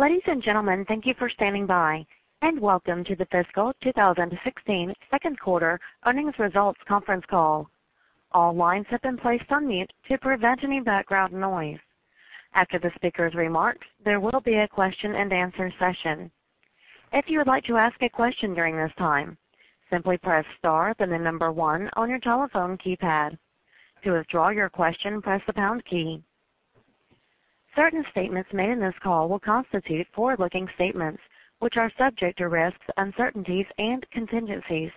Ladies and gentlemen, thank you for standing by, and welcome to the fiscal 2016 second quarter earnings results conference call. All lines have been placed on mute to prevent any background noise. After the speaker's remarks, there will be a question-and-answer session. If you would like to ask a question during this time, simply press star, then the number 1 on your telephone keypad. To withdraw your question, press the pound key. Certain statements made in this call will constitute forward-looking statements, which are subject to risks, uncertainties, and contingencies.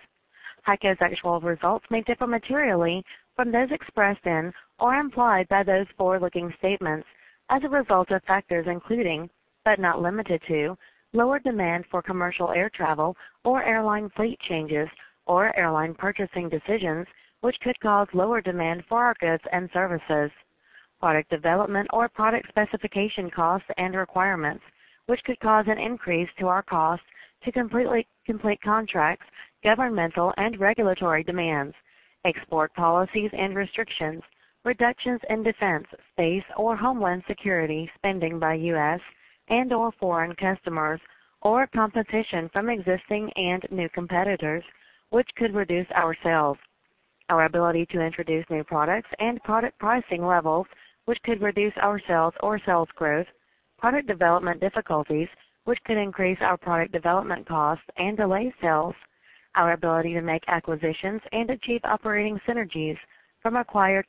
HEICO's actual results may differ materially from those expressed in or implied by those forward-looking statements as a result of factors including, but not limited to, lower demand for commercial air travel or airline fleet changes or airline purchasing decisions, which could cause lower demand for our goods and services. Product development or product specification costs and requirements, which could cause an increase to our costs to complete contracts, governmental and regulatory demands, export policies and restrictions, reductions in defense, space or homeland security spending by U.S. and/or foreign customers or competition from existing and new competitors, which could reduce our sales. Our ability to introduce new products and product pricing levels, which could reduce our sales or sales growth. Product development difficulties, which could increase our product development costs and delay sales. Our ability to make acquisitions and achieve operating synergies from acquired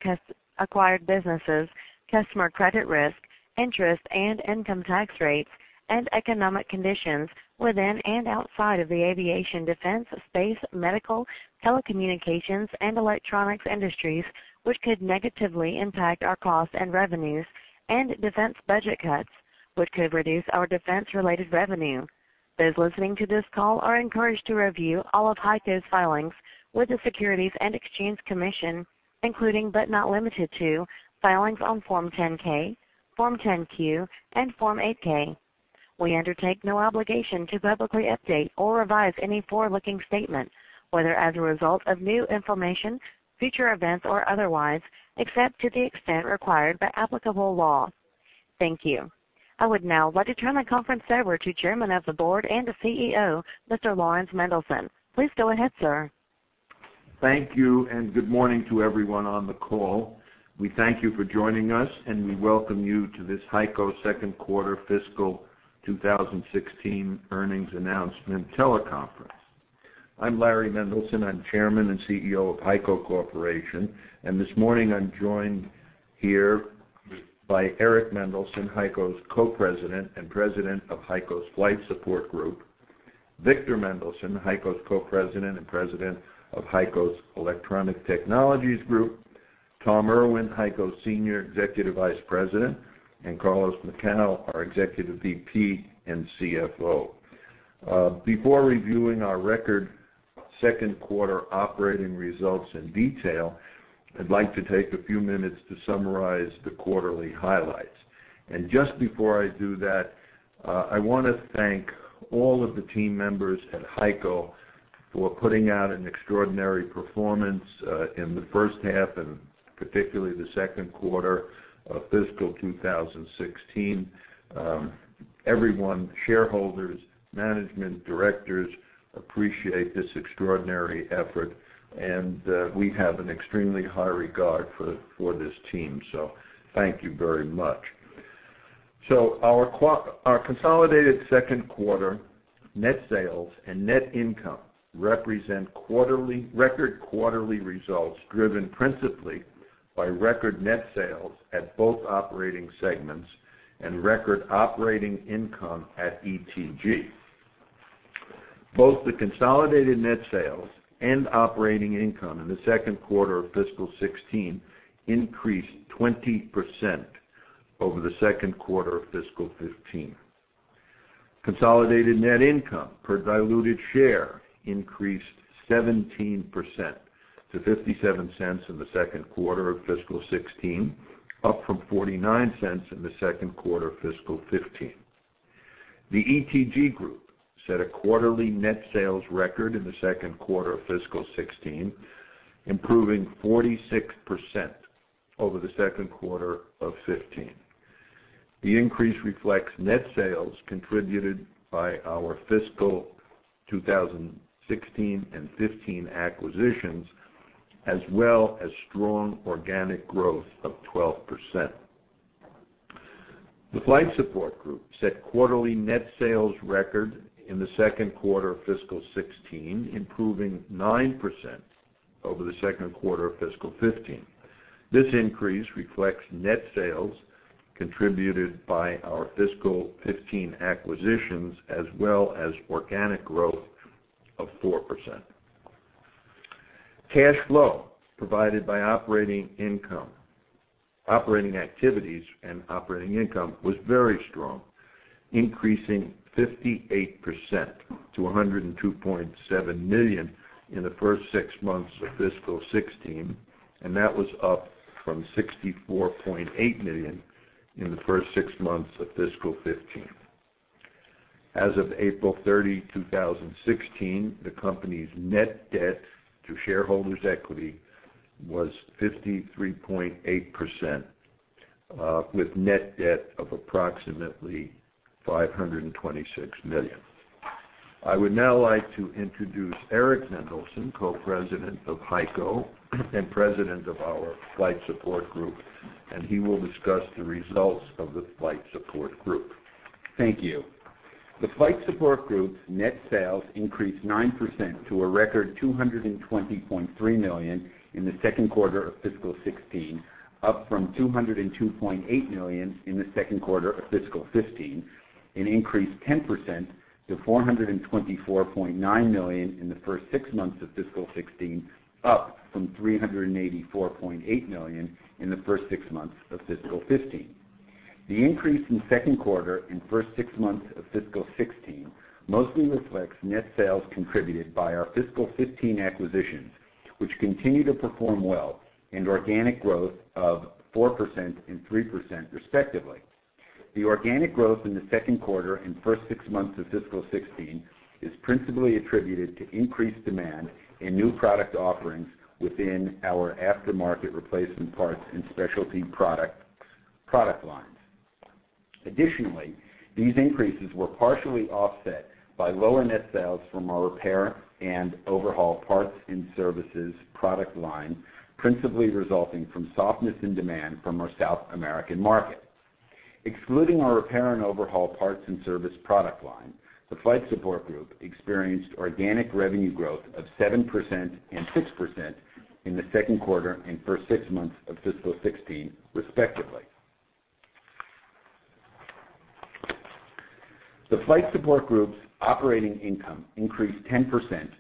businesses, customer credit risk, interest and income tax rates and economic conditions within and outside of the aviation, defense, space, medical, telecommunications, and electronics industries, which could negatively impact our costs and revenues and defense budget cuts, which could reduce our defense-related revenue. Those listening to this call are encouraged to review all of HEICO's filings with the Securities and Exchange Commission, including but not limited to, filings on Form 10-K, Form 10-Q, and Form 8-K. We undertake no obligation to publicly update or revise any forward-looking statement, whether as a result of new information, future events or otherwise, except to the extent required by applicable law. Thank you. I would now like to turn the conference over to Chairman of the Board and the CEO, Mr. Laurans Mendelson. Please go ahead, sir. Thank you. Good morning to everyone on the call. We thank you for joining us, and we welcome you to this HEICO second quarter fiscal 2016 earnings announcement teleconference. I'm Larry Mendelson. I'm Chairman and CEO of HEICO Corporation, and this morning I'm joined here by Eric Mendelson, HEICO's Co-President and President of HEICO's Flight Support Group. Victor Mendelson, HEICO's Co-President and President of HEICO's Electronic Technologies Group, Tom Irwin, HEICO's Senior Executive Vice President, and Carlos Macau, our Executive VP and CFO. Before reviewing our record second quarter operating results in detail, I'd like to take a few minutes to summarize the quarterly highlights. Just before I do that, I want to thank all of the team members at HEICO for putting out an extraordinary performance, in the first half and particularly the second quarter of fiscal 2016. Everyone, shareholders, management, directors appreciate this extraordinary effort. We have an extremely high regard for this team. Thank you very much. Our consolidated second quarter net sales and net income represent record quarterly results driven principally by record net sales at both operating segments and record operating income at ETG. Both the consolidated net sales and operating income in the second quarter of fiscal 2016 increased 20% over the second quarter of fiscal 2015. Consolidated net income per diluted share increased 17% to $0.57 in the second quarter of fiscal 2016, up from $0.49 in the second quarter of fiscal 2015. The ETG group set a quarterly net sales record in the second quarter of fiscal 2016, improving 46% over the second quarter of 2015. The increase reflects net sales contributed by our fiscal 2016 and 2015 acquisitions, as well as strong organic growth of 12%. The Flight Support Group set quarterly net sales record in the second quarter of fiscal 2016, improving 9% over the second quarter of fiscal 2015. This increase reflects net sales contributed by our fiscal 2015 acquisitions, as well as organic growth of 4%. Cash flow provided by operating activities and operating income was very strong, increasing 58% to $102.7 million in the first six months of fiscal 2016, and that was up from $64.8 million in the first six months of fiscal 2015. As of April 30, 2016, the company's net debt to shareholders' equity was 53.8%, with net debt of approximately $526 million. I would now like to introduce Eric A. Mendelson, Co-President of HEICO and President of our Flight Support Group, and he will discuss the results of the Flight Support Group. Thank you. The Flight Support Group's net sales increased 9% to a record $220.3 million in the second quarter of fiscal 2016, up from $202.8 million in the second quarter of fiscal 2015, and increased 10% to $424.9 million in the first six months of fiscal 2016, up from $384.8 million in the first six months of fiscal 2015. The increase in second quarter and first six months of fiscal 2016 mostly reflects net sales contributed by our fiscal 2015 acquisitions, which continue to perform well, and organic growth of 4% and 3% respectively. The organic growth in the second quarter and first six months of fiscal 2016 is principally attributed to increased demand in new product offerings within our aftermarket replacement parts and specialty product lines. Additionally, these increases were partially offset by lower net sales from our repair and overhaul parts and services product line, principally resulting from softness in demand from our South American market. Excluding our repair and overhaul parts and services product line, the Flight Support Group experienced organic revenue growth of 7% and 6% in the second quarter and first six months of fiscal 2016, respectively. The Flight Support Group's operating income increased 10%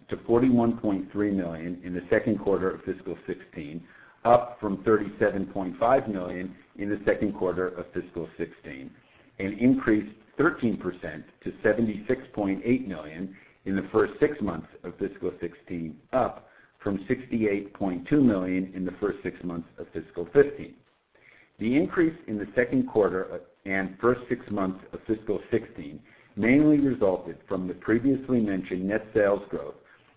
to $41.3 million in the second quarter of fiscal 2016, up from $37.5 million in the second quarter of fiscal 2016, and increased 13% to $76.8 million in the first six months of fiscal 2016, up from $68.2 million in the first six months of fiscal 2015. The increase in the second quarter and first six months of fiscal 2016 mainly resulted from the previously mentioned net sales growth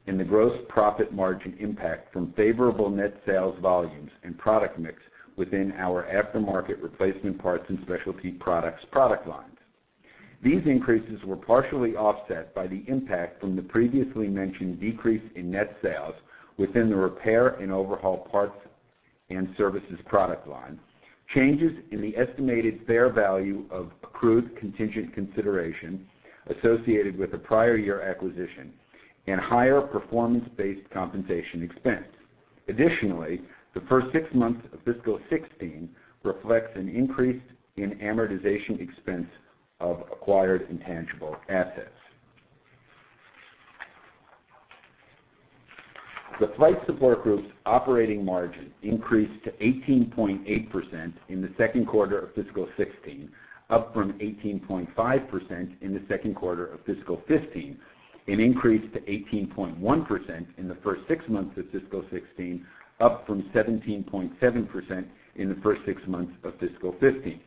and the gross profit margin impact from favorable net sales volumes and product mix within our aftermarket replacement parts and specialty products product lines. These increases were partially offset by the impact from the previously mentioned decrease in net sales within the repair and overhaul parts and services product line. Changes in the estimated fair value of accrued contingent consideration associated with the prior year acquisition and higher performance-based compensation expense. Additionally, the first six months of fiscal 2016 reflects an increase in amortization expense of acquired intangible assets. The Flight Support Group's operating margin increased to 18.8% in the second quarter of fiscal 2016, up from 18.5% in the second quarter of fiscal 2015, and increased to 18.1% in the first six months of fiscal 2016, up from 17.7% in the first six months of fiscal 2015.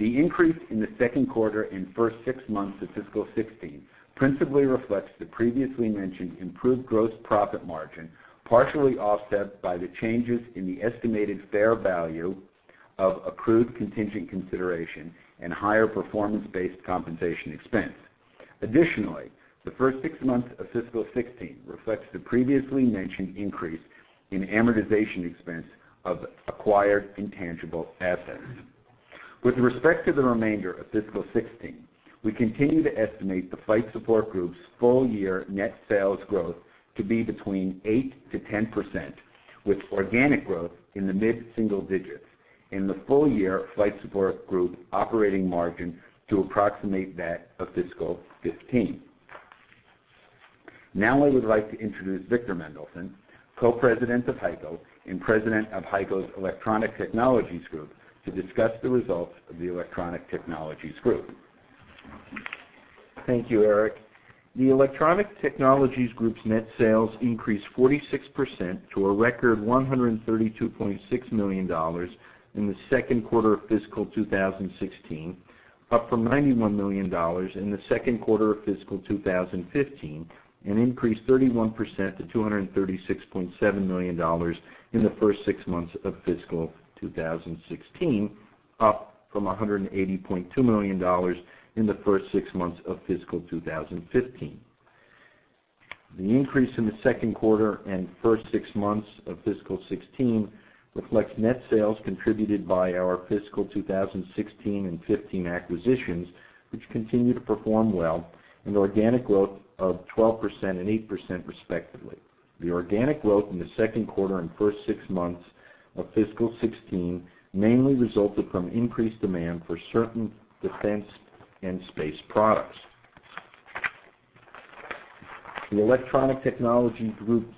The increase in the second quarter and first six months of fiscal 2016 principally reflects the previously mentioned improved gross profit margin, partially offset by the changes in the estimated fair value of accrued contingent consideration and higher performance-based compensation expense. Additionally, the first six months of fiscal 2016 reflects the previously mentioned increase in amortization expense of acquired intangible assets. With respect to the remainder of fiscal 2016, we continue to estimate the Flight Support Group's full year net sales growth to be between 8%-10%, with organic growth in the mid-single digits and the full year Flight Support Group operating margin to approximate that of fiscal 2015. I would like to introduce Victor Mendelson, Co-President of HEICO and President of HEICO's Electronic Technologies Group, to discuss the results of the Electronic Technologies Group. Thank you, Eric. The Electronic Technologies Group's net sales increased 46% to a record $132.6 million in the second quarter of fiscal 2016, up from $91 million in the second quarter of fiscal 2015, and increased 31% to $236.7 million in the first six months of fiscal 2016, up from $180.2 million in the first six months of fiscal 2015. The increase in the second quarter and first six months of fiscal 2016 reflects net sales contributed by our fiscal 2016 and 2015 acquisitions, which continue to perform well, and organic growth of 12% and 8% respectively. The organic growth in the second quarter and first six months of fiscal 2016 mainly resulted from increased demand for certain defense and space products. The Electronic Technologies Group's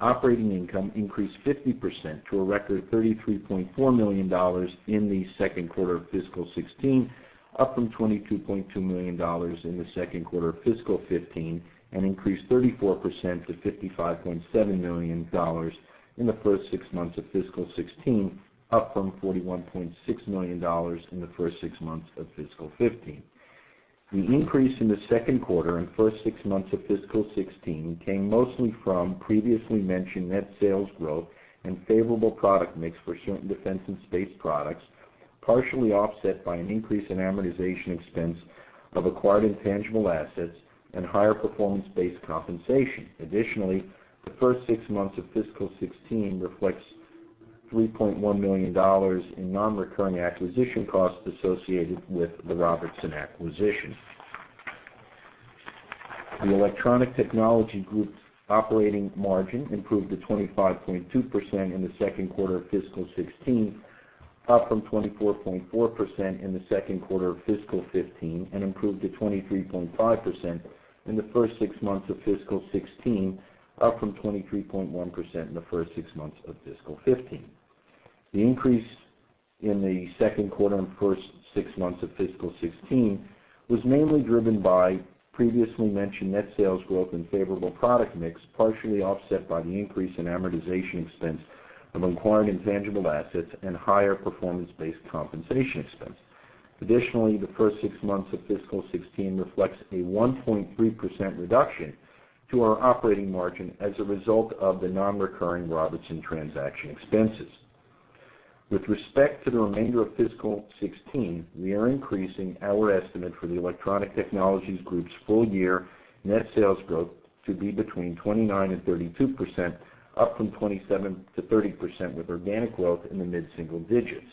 operating income increased 50% to a record $33.4 million in the second quarter of fiscal 2016, up from $22.2 million in the second quarter of fiscal 2015, and increased 34% to $55.7 million in the first six months of fiscal 2016, up from $41.6 million in the first six months of fiscal 2015. The increase in the second quarter and first six months of fiscal 2016 came mostly from previously mentioned net sales growth and favorable product mix for certain defense and space products, partially offset by an increase in amortization expense of acquired intangible assets and higher performance-based compensation. Additionally, the first six months of fiscal 2016 reflects $3.1 million in non-recurring acquisition costs associated with the Robertson acquisition. The Electronic Technologies Group's operating margin improved to 25.2% in the second quarter of fiscal 2016, up from 24.4% in the second quarter of fiscal 2015, and improved to 23.5% in the first six months of fiscal 2016, up from 23.1% in the first six months of fiscal 2015. The increase in the second quarter and first six months of fiscal 2016 was mainly driven by previously mentioned net sales growth and favorable product mix, partially offset by the increase in amortization expense of acquiring intangible assets and higher performance-based compensation expense. Additionally, the first six months of fiscal 2016 reflects a 1.3% reduction to our operating margin as a result of the non-recurring Robertson transaction expenses. With respect to the remainder of fiscal 2016, we are increasing our estimate for the Electronic Technologies Group's full-year net sales growth to be between 29% and 32%, up from 27% to 30%, with organic growth in the mid-single digits.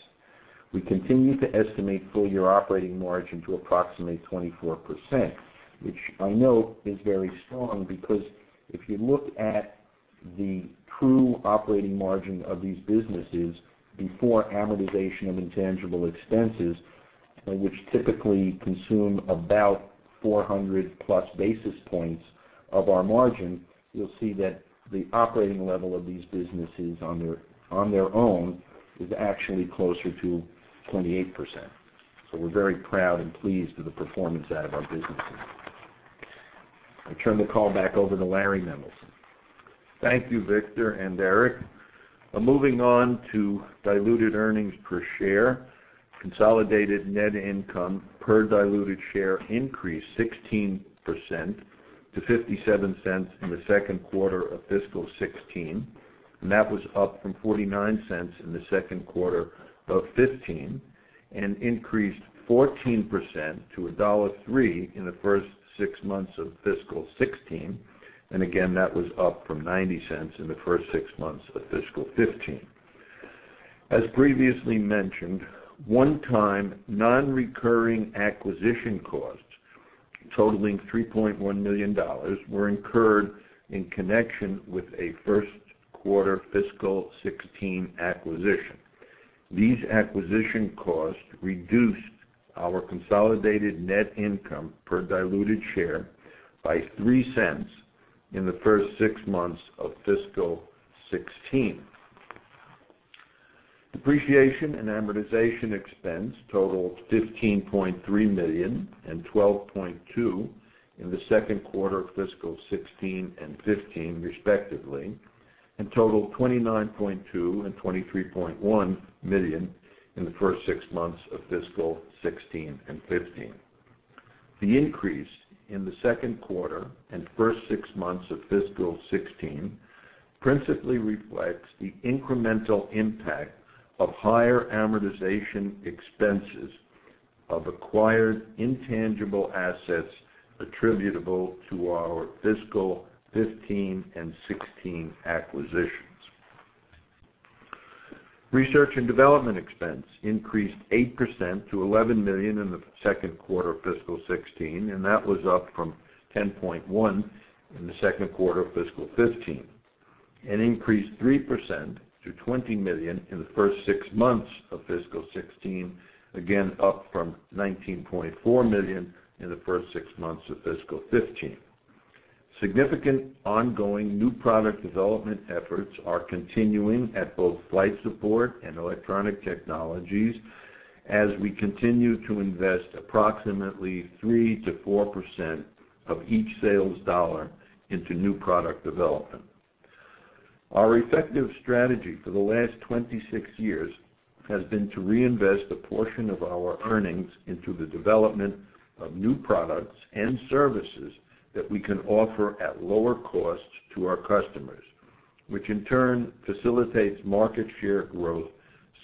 We continue to estimate full-year operating margin to approximately 24%, which I know is very strong because if you look at the true operating margin of these businesses before amortization of intangible expenses, which typically consume about 400-plus basis points of our margin, you'll see that the operating level of these businesses on their own is actually closer to 28%. We're very proud and pleased with the performance out of our businesses. I turn the call back over to Larry Mendelson. Thank you, Victor and Eric. Moving on to diluted earnings per share. Consolidated net income per diluted share increased 16% to $0.57 in the second quarter of fiscal 2016, and that was up from $0.49 in the second quarter of fiscal 2015, and increased 14% to $1.03 in the first six months of fiscal 2016. Again, that was up from $0.90 in the first six months of fiscal 2015. As previously mentioned, one-time non-recurring acquisition costs totaling $3.1 million were incurred in connection with a first quarter fiscal 2016 acquisition. These acquisition costs reduced our consolidated net income per diluted share by $0.03 in the first six months of fiscal 2016. Depreciation and amortization expense totaled $15.3 million and $12.2 million in the second quarter of fiscal 2016 and 2015, respectively, and totaled $29.2 million and $23.1 million in the first six months of fiscal 2016 and 2015. The increase in the second quarter and first six months of fiscal 2016 principally reflects the incremental impact of higher amortization expenses of acquired intangible assets attributable to our fiscal 2015 and 2016 acquisitions. Research and development expense increased 8% to $11 million in the second quarter of fiscal 2016, and that was up from $10.1 million in the second quarter of fiscal 2015, and increased 3% to $20 million in the first six months of fiscal 2016, again, up from $19.4 million in the first six months of fiscal 2015. Significant ongoing new product development efforts are continuing at both Flight Support and Electronic Technologies, as we continue to invest approximately 3%-4% of each sales dollar into new product development. Our effective strategy for the last 26 years has been to reinvest a portion of our earnings into the development of new products and services that we can offer at lower costs to our customers, which in turn facilitates market share growth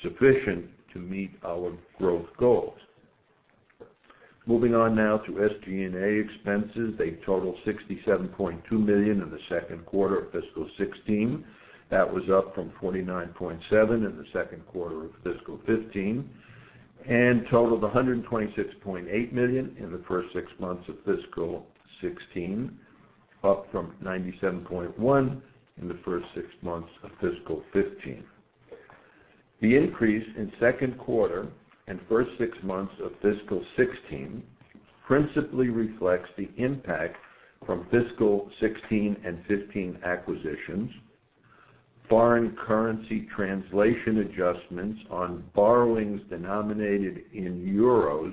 sufficient to meet our growth goals. Moving on now to SG&A expenses. They totaled $67.2 million in the second quarter of fiscal 2016. That was up from $49.7 million in the second quarter of fiscal 2015, and totaled $126.8 million in the first six months of fiscal 2016, up from $97.1 million in the first six months of fiscal 2015. The increase in second quarter and first six months of fiscal 2016 principally reflects the impact from fiscal 2016 and 2015 acquisitions, foreign currency translation adjustments on borrowings denominated in EUR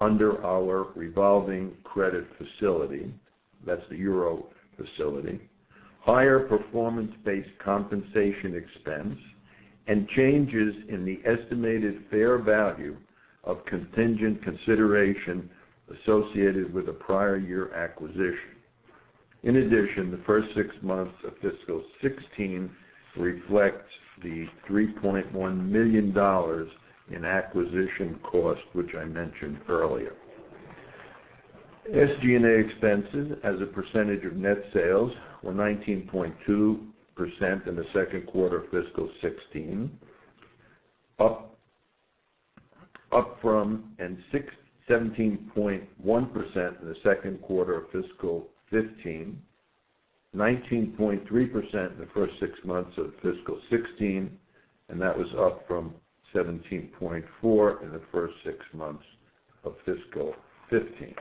under our revolving credit facility, that's the EUR facility, higher performance-based compensation expense and changes in the estimated fair value of contingent consideration associated with a prior year acquisition. In addition, the first six months of fiscal 2016 reflect the $3.1 million in acquisition cost, which I mentioned earlier. SG&A expenses as a percentage of net sales were 19.2% in the second quarter of fiscal 2016, up from 17.1% in the second quarter of fiscal 2015, 19.3% in the first six months of fiscal 2016, and that was up from 17.4% in the first six months of fiscal 2015.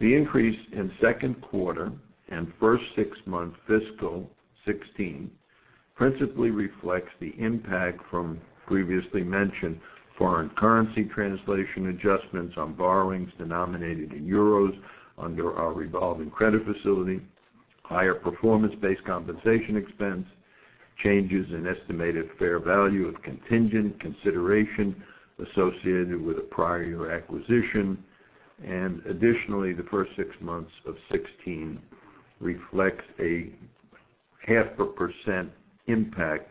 The increase in second quarter and first six-month fiscal 2016 principally reflects the impact from previously mentioned foreign currency translation adjustments on borrowings denominated in euros under our revolving credit facility, higher performance-based compensation expense, changes in estimated fair value of contingent consideration associated with a prior year acquisition. Additionally, the first six months of 2016 reflects a half a percent impact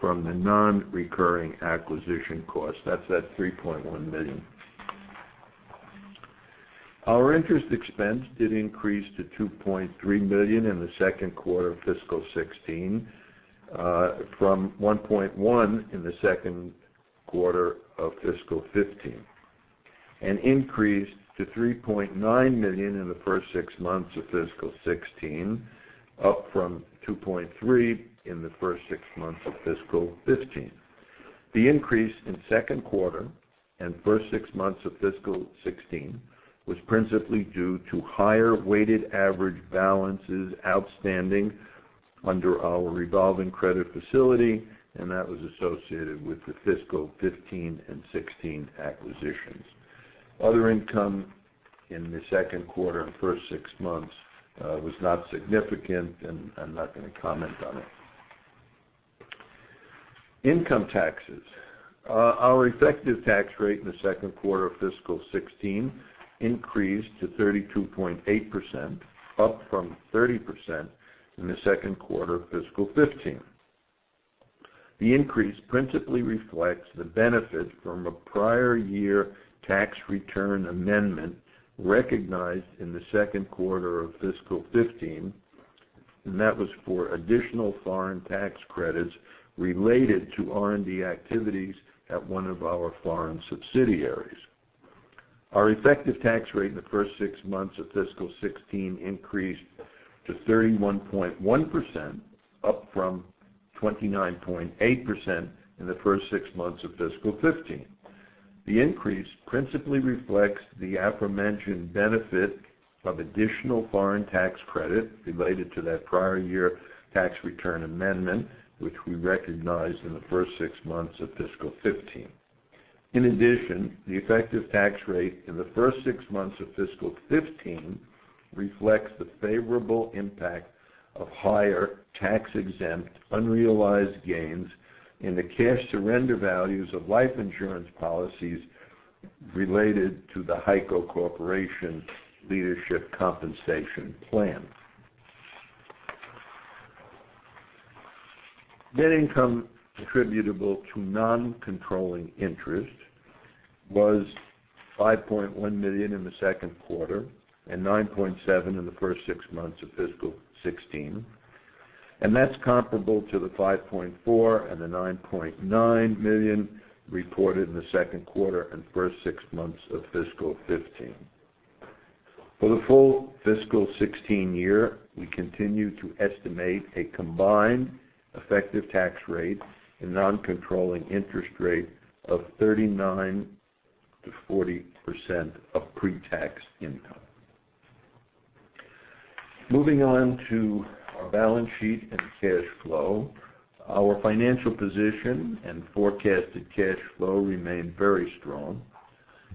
from the non-recurring acquisition cost. That's that $3.1 million. Our interest expense did increase to $2.3 million in the second quarter of fiscal 2016, from $1.1 million in the second quarter of fiscal 2015. Increased to $3.9 million in the first six months of fiscal 2016, up from $2.3 million in the first six months of fiscal 2015. The increase in second quarter and first six months of fiscal 2016 was principally due to higher weighted average balances outstanding under our revolving credit facility. That was associated with the fiscal 2015 and 2016 acquisitions. Other income in the second quarter and first six months was not significant. I'm not going to comment on it. Income taxes. Our effective tax rate in the second quarter of fiscal 2016 increased to 32.8%, up from 30% in the second quarter of fiscal 2015. The increase principally reflects the benefit from a prior year tax return amendment recognized in the second quarter of fiscal 2015. That was for additional foreign tax credits related to R&D activities at one of our foreign subsidiaries. Our effective tax rate in the first six months of fiscal 2016 increased to 31.1%, up from 29.8% in the first six months of fiscal 2015. The increase principally reflects the aforementioned benefit of additional foreign tax credit related to that prior year tax return amendment, which we recognized in the first six months of fiscal 2015. In addition, the effective tax rate in the first six months of fiscal 2015 reflects the favorable impact of higher tax-exempt unrealized gains in the cash surrender values of life insurance policies related to the HEICO Corporation Leadership Compensation Plan. Net income attributable to non-controlling interest was $5.1 million in the second quarter and $9.7 million in the first six months of fiscal 2016. That's comparable to the $5.4 million and the $9.9 million reported in the second quarter and first six months of fiscal 2015. For the full fiscal 2016 year, we continue to estimate a combined effective tax rate and non-controlling interest rate of 39%-40% of pre-tax income. Moving on to our balance sheet and cash flow. Our financial position and forecasted cash flow remain very strong.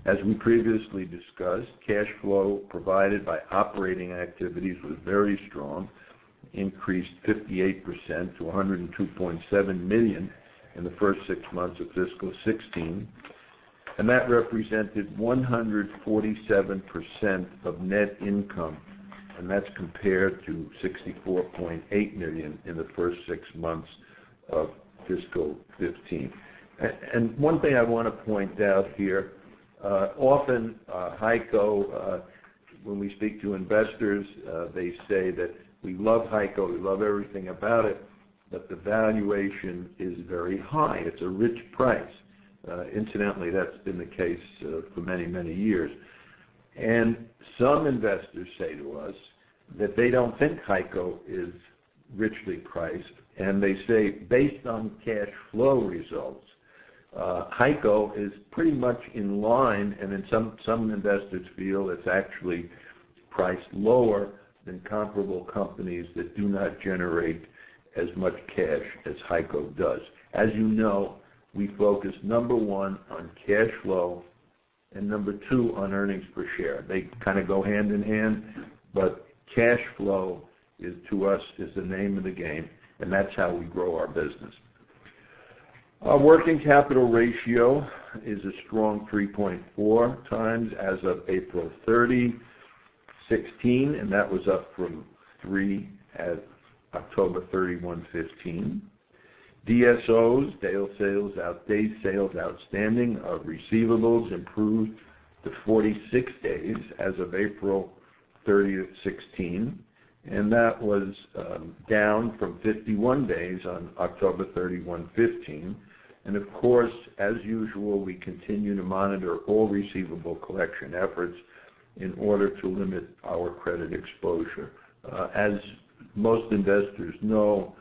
As we previously discussed, cash flow provided by operating activities was very strong, increased 58% to $102.7 million in the first six months of fiscal 2016. That represented 147% of net income. That's compared to $64.8 million in the first six months of fiscal 2015. One thing I want to point out here. Often HEICO, when we speak to investors, they say that we love HEICO, we love everything about it, but the valuation is very high. It's a rich price. Incidentally, that's been the case for many, many years. Some investors say to us that they don't think HEICO is richly priced, they say, based on cash flow results, HEICO is pretty much in line, then some investors feel it's actually priced lower than comparable companies that do not generate as much cash as HEICO does. As you know, we focus number one on cash flow. Number two on earnings per share. They kind of go hand in hand, but cash flow is, to us, is the name of the game, and that's how we grow our business. Our working capital ratio is a strong 3.4 times as of April 30, 2016, and that was up from 3 at October 31, 2015. DSOs, days sales outstanding, of receivables improved to 46 days as of April 30, 2016, and that was down from 51 days on October 31, 2015. Of course, as usual, we continue to monitor all receivable collection efforts in order to limit our credit exposure. As most investors know,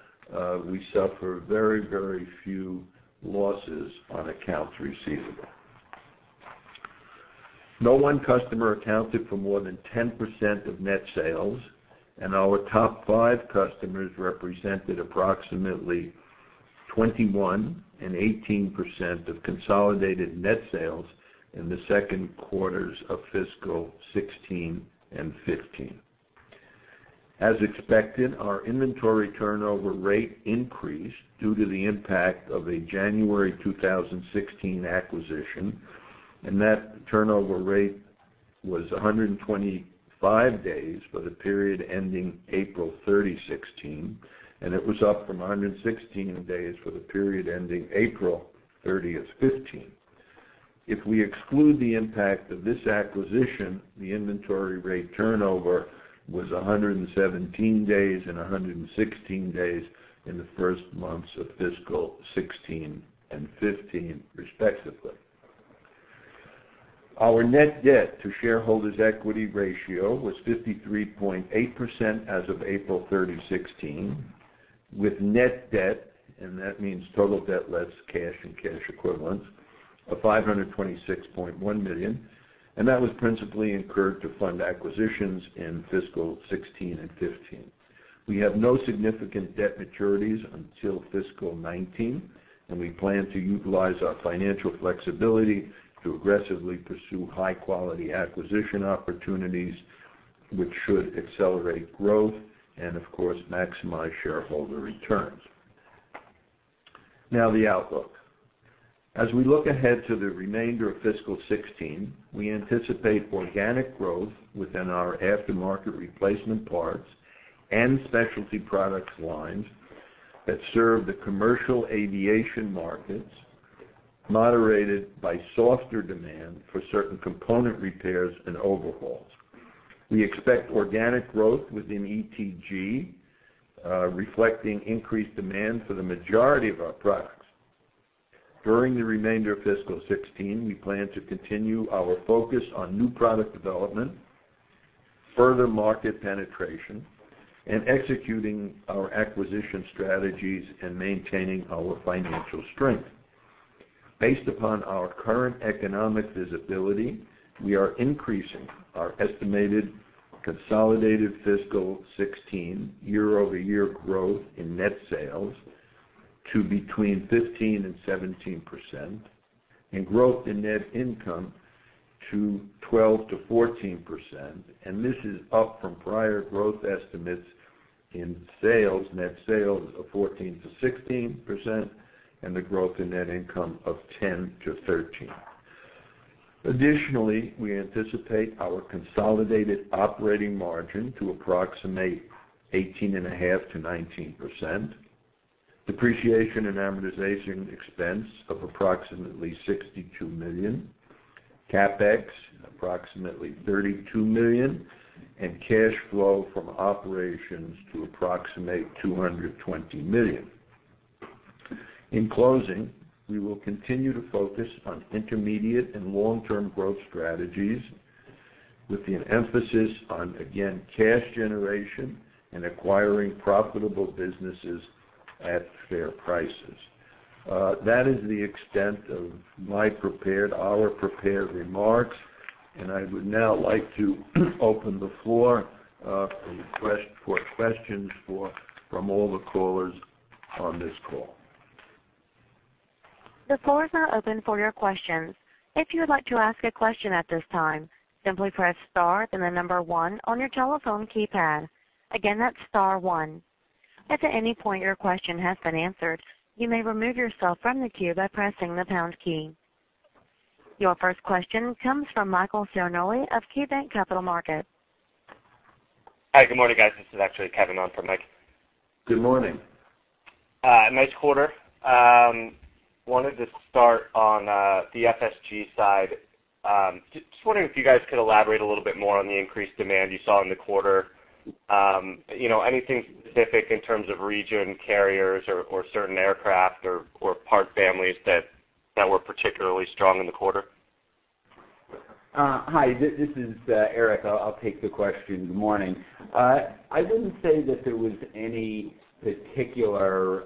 we suffer very few losses on accounts receivable. No one customer accounted for more than 10% of net sales, and our top five customers represented approximately 21% and 18% of consolidated net sales in the second quarters of fiscal 2016 and 2015. As expected, our inventory turnover rate increased due to the impact of a January 2016 acquisition, and that turnover rate was 125 days for the period ending April 30, 2016, and it was up from 116 days for the period ending April 30, 2015. If we exclude the impact of this acquisition, the inventory rate turnover was 117 days and 116 days in the first months of fiscal 2016 and 2015, respectively. Our net debt to shareholders' equity ratio was 53.8% as of April 30, 2016, with net debt, and that means total debt less cash and cash equivalents, of $526.1 million, and that was principally incurred to fund acquisitions in fiscal 2016 and 2015. We have no significant debt maturities until fiscal 2019, and we plan to utilize our financial flexibility to aggressively pursue high-quality acquisition opportunities, which should accelerate growth and, of course, maximize shareholder returns. The outlook. We look ahead to the remainder of fiscal 2016, we anticipate organic growth within our aftermarket replacement parts and specialty products lines that serve the commercial aviation markets, moderated by softer demand for certain component repairs and overhauls. We expect organic growth within ETG, reflecting increased demand for the majority of our products. During the remainder of fiscal 2016, we plan to continue our focus on new product development, further market penetration, executing our acquisition strategies and maintaining our financial strength. Based upon our current economic visibility, we are increasing our estimated consolidated fiscal 2016 year-over-year growth in net sales to between 15% and 17%, and growth in net income to 12%-14%. This is up from prior growth estimates in net sales of 14%-16% and the growth in net income of 10%-13%. Additionally, we anticipate our consolidated operating margin to approximate 18.5%-19%, depreciation and amortization expense of approximately $62 million, CapEx approximately $32 million, and cash flow from operations to approximate $220 million. In closing, we will continue to focus on intermediate and long-term growth strategies with an emphasis on, again, cash generation and acquiring profitable businesses at fair prices. That is the extent of our prepared remarks, and I would now like to open the floor up for questions from all the callers on this call. The floor is now open for your questions. If you would like to ask a question at this time, simply press star then the number 1 on your telephone keypad. Again, that's star 1. If at any point your question has been answered, you may remove yourself from the queue by pressing the pound key. Your first question comes from Michael Ciarmoli of KeyBanc Capital Markets. Hi. Good morning, guys. This is actually Kevin on for Mike. Good morning. Nice quarter. Wanted to start on the FSG side. Just wondering if you guys could elaborate a little bit more on the increased demand you saw in the quarter. Anything specific in terms of region, carriers, or certain aircraft, or part families that were particularly strong in the quarter? Hi, this is Eric. I'll take the question. Good morning. I wouldn't say that there was any particular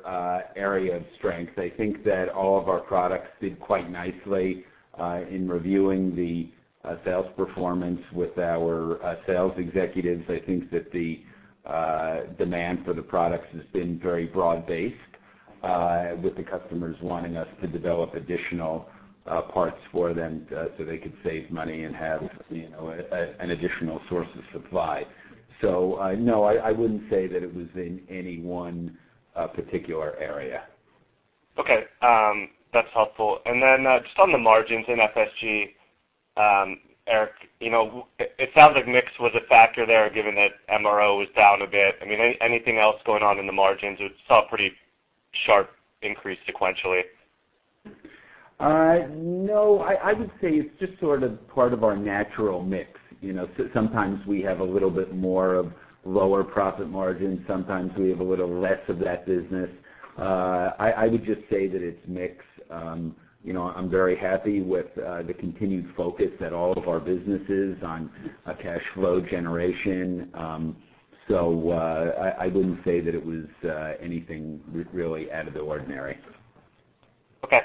area of strength. I think that all of our products did quite nicely. In reviewing the sales performance with our sales executives, I think that the demand for the products has been very broad-based with the customers wanting us to develop additional parts for them so they could save money and have an additional source of supply. No, I wouldn't say that it was in any one particular area. Okay. That's helpful. Just on the margins in FSG, Eric, it sounds like mix was a factor there given that MRO was down a bit. Anything else going on in the margins? We saw a pretty sharp increase sequentially. No, I would say it's just sort of part of our natural mix. Sometimes we have a little bit more of lower profit margins, sometimes we have a little less of that business. I would just say that it's mix. I'm very happy with the continued focus at all of our businesses on cash flow generation. I wouldn't say that it was anything really out of the ordinary. Okay.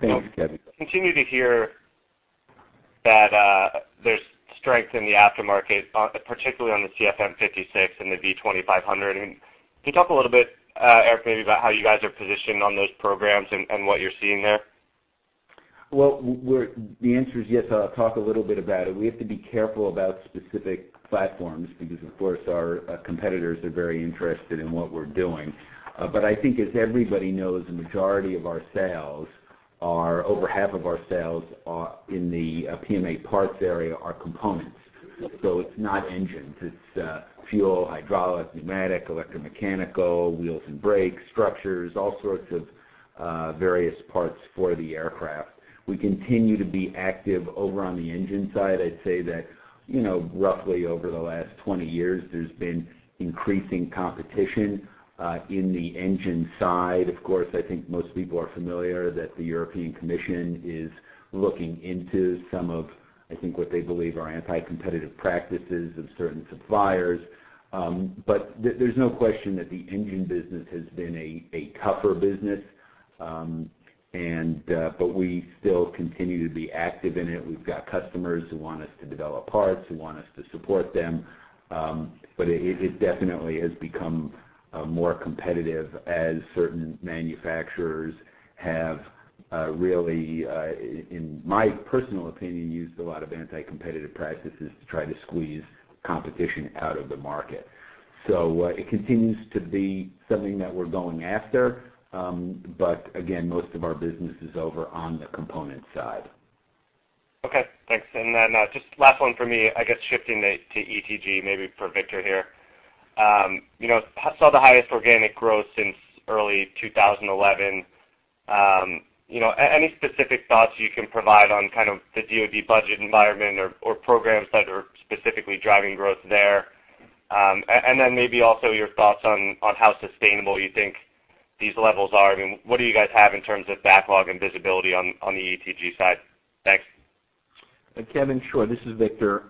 Thanks, Kevin. We continue to hear that there's strength in the aftermarket, particularly on the CFM56 and the V2500. Can you talk a little bit, Eric, maybe about how you guys are positioned on those programs and what you're seeing there? The answer is yes, I'll talk a little bit about it. We have to be careful about specific platforms because, of course, our competitors are very interested in what we're doing. I think, as everybody knows, the majority of our sales are, over half of our sales in the PMA parts area are components. It's not engines, it's fuel, hydraulics, pneumatic, electromechanical, wheels and brakes, structures, all sorts of various parts for the aircraft. We continue to be active over on the engine side. I'd say that roughly over the last 20 years, there's been increasing competition in the engine side. Of course, I think most people are familiar that the European Commission is looking into some of, I think, what they believe are anti-competitive practices of certain suppliers. There's no question that the engine business has been a tougher business. We still continue to be active in it. We've got customers who want us to develop parts, who want us to support them. It definitely has become more competitive as certain manufacturers have really, in my personal opinion, used a lot of anti-competitive practices to try to squeeze competition out of the market. It continues to be something that we're going after, but again, most of our business is over on the component side. Okay, thanks. Just last one for me, I guess shifting it to ETG, maybe for Victor here. Saw the highest organic growth since early 2011. Any specific thoughts you can provide on kind of the DoD budget environment or programs that are specifically driving growth there? Maybe also your thoughts on how sustainable you think these levels are. What do you guys have in terms of backlog and visibility on the ETG side? Thanks. Kevin, sure. This is Victor.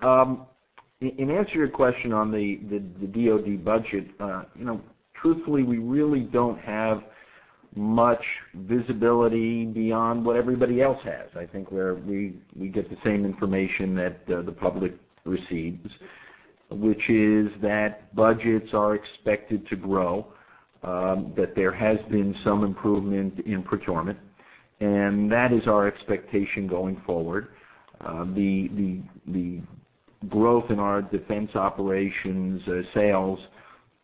In answer to your question on the DoD budget, truthfully, we really don't have much visibility beyond what everybody else has. I think we get the same information that the public receives, which is that budgets are expected to grow, that there has been some improvement in procurement, and that is our expectation going forward. The growth in our defense operations sales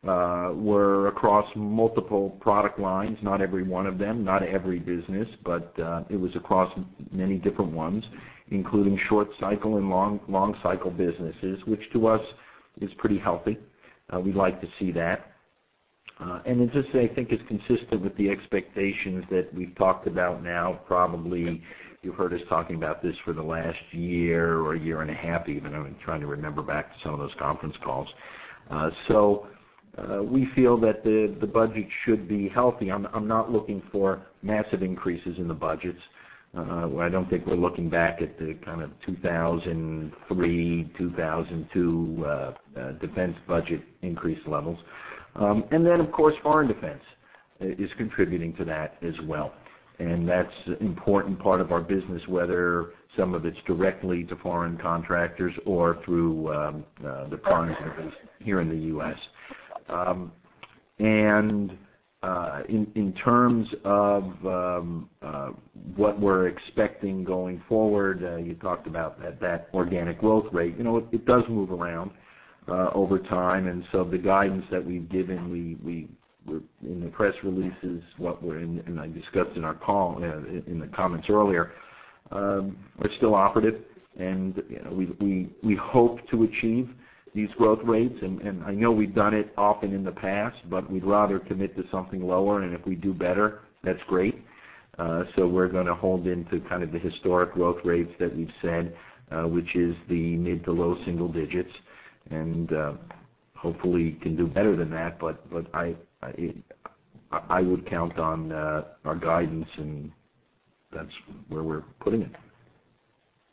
were across multiple product lines, not every one of them, not every business, but it was across many different ones, including short cycle and long cycle businesses, which to us is pretty healthy. We like to see that. I'd just say, I think it's consistent with the expectations that we've talked about now, probably, and you've heard us talking about this for the last year or year and a half, even. I'm trying to remember back to some of those conference calls. We feel that the budget should be healthy. I'm not looking for massive increases in the budgets. I don't think we're looking back at the kind of 2003, 2002 defense budget increase levels. Of course, foreign defense is contributing to that as well. That's an important part of our business, whether some of it's directly to foreign contractors or through the prime defense here in the U.S. In terms of what we're expecting going forward, you talked about that organic growth rate. It does move around over time, the guidance that we've given in the press releases, and I discussed in the comments earlier, are still operative, and we hope to achieve these growth rates. I know we've done it often in the past, but we'd rather commit to something lower, and if we do better, that's great. We're going to hold into kind of the historic growth rates that we've said, which is the mid to low single digits, and hopefully can do better than that. I would count on our guidance, and that's where we're putting it.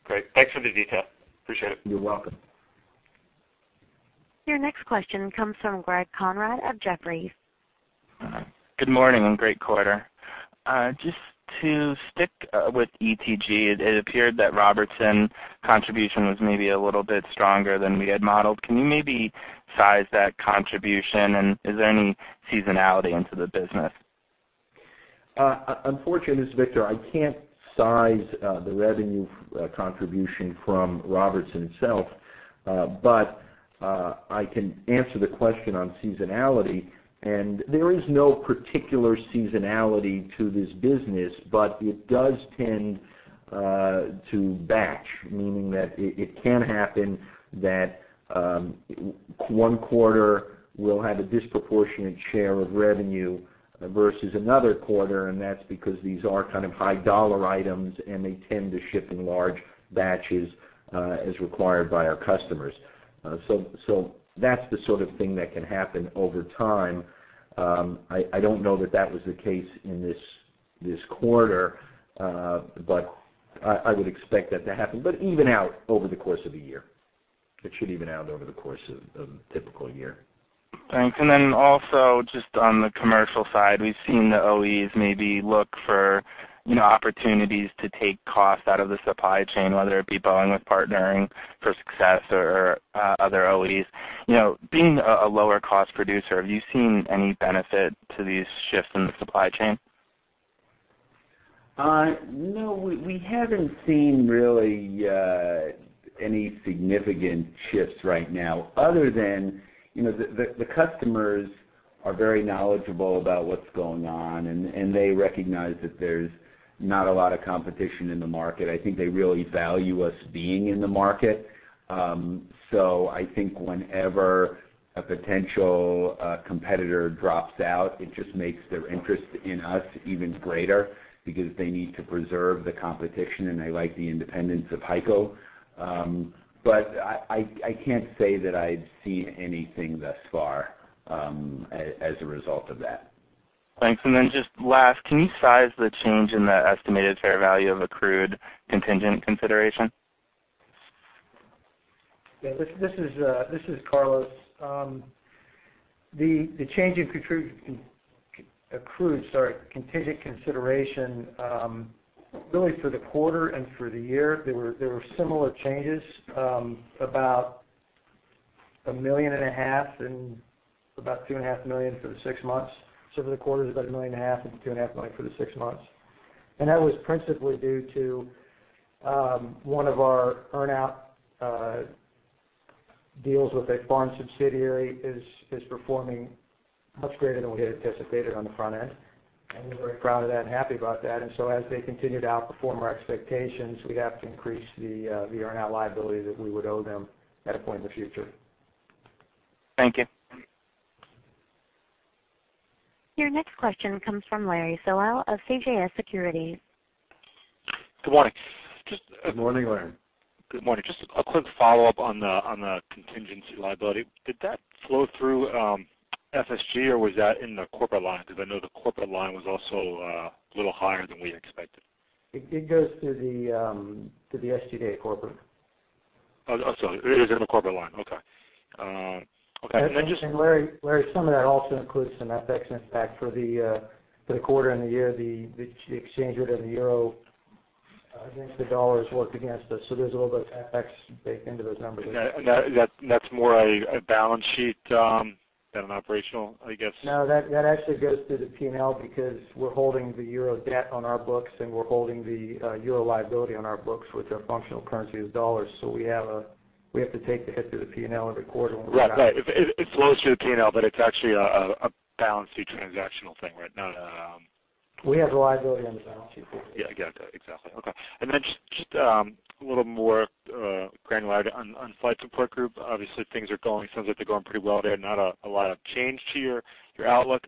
Great. Thanks for the detail. Appreciate it. You're welcome. Your next question comes from Greg Konrad of Jefferies. Good morning, great quarter. Just to stick with ETG, it appeared that Robertson contribution was maybe a little bit stronger than we had modeled. Can you maybe size that contribution? Is there any seasonality into the business? Unfortunately, this is Victor, I can't size the revenue contribution from Robertson Fuel Systems itself. I can answer the question on seasonality. There is no particular seasonality to this business, but it does tend to batch, meaning that it can happen that one quarter will have a disproportionate share of revenue versus another quarter, and that's because these are kind of high-dollar items, and they tend to ship in large batches as required by our customers. That's the sort of thing that can happen over time. I don't know that that was the case in this quarter. I would expect that to happen, but even out over the course of a year. It should even out over the course of a typical year. Thanks. Also just on the commercial side, we've seen the OEs maybe look for opportunities to take costs out of the supply chain, whether it be Boeing with Partnering for Success or other OEs. Being a lower cost producer, have you seen any benefit to these shifts in the supply chain? No, we haven't seen really any significant shifts right now other than the customers are very knowledgeable about what's going on, and they recognize that there's not a lot of competition in the market. I think they really value us being in the market. I think whenever a potential competitor drops out, it just makes their interest in us even greater because they need to preserve the competition, and they like the independence of HEICO. I can't say that I've seen anything thus far as a result of that. Thanks. Just last, can you size the change in the estimated fair value of accrued contingent consideration? Yeah. This is Carlos. The change in accrued, sorry, contingent consideration really for the quarter and for the year, there were similar changes, about a million and a half and about two and a half million for the six months. For the quarter it's about a million and a half, and two and a half million for the six months. That was principally due to one of our earn-out deals with a foreign subsidiary is performing much greater than we had anticipated on the front end. We're very proud of that and happy about that. As they continue to outperform our expectations, we have to increase the earn-out liability that we would owe them at a point in the future. Thank you. Your next question comes from Larry Solow of CJS Securities. Good morning. Good morning, Larry. Good morning. Just a quick follow-up on the contingency liability. Did that flow through FSG, or was that in the corporate line? I know the corporate line was also a little higher than we expected. It goes to the SG&A corporate. Oh, it is in the corporate line. Okay. Larry, some of that also includes some FX impact for the quarter and the year. The exchange rate of the euro against the dollar has worked against us, there's a little bit of FX baked into those numbers. That's more a balance sheet than an operational, I guess. That actually goes through the P&L because we're holding the euro debt on our books, and we're holding the euro liability on our books with our functional currency as dollars. We have to take the hit to the P&L every quarter when we have- Right. It flows through the P&L, it's actually a balance sheet transactional thing, right? Not a We have the liability on the balance sheet. Yeah. Exactly. Okay. Then just a little more granularity on Flight Support Group. Obviously things sound like they're going pretty well there. Not a lot of change to your outlook.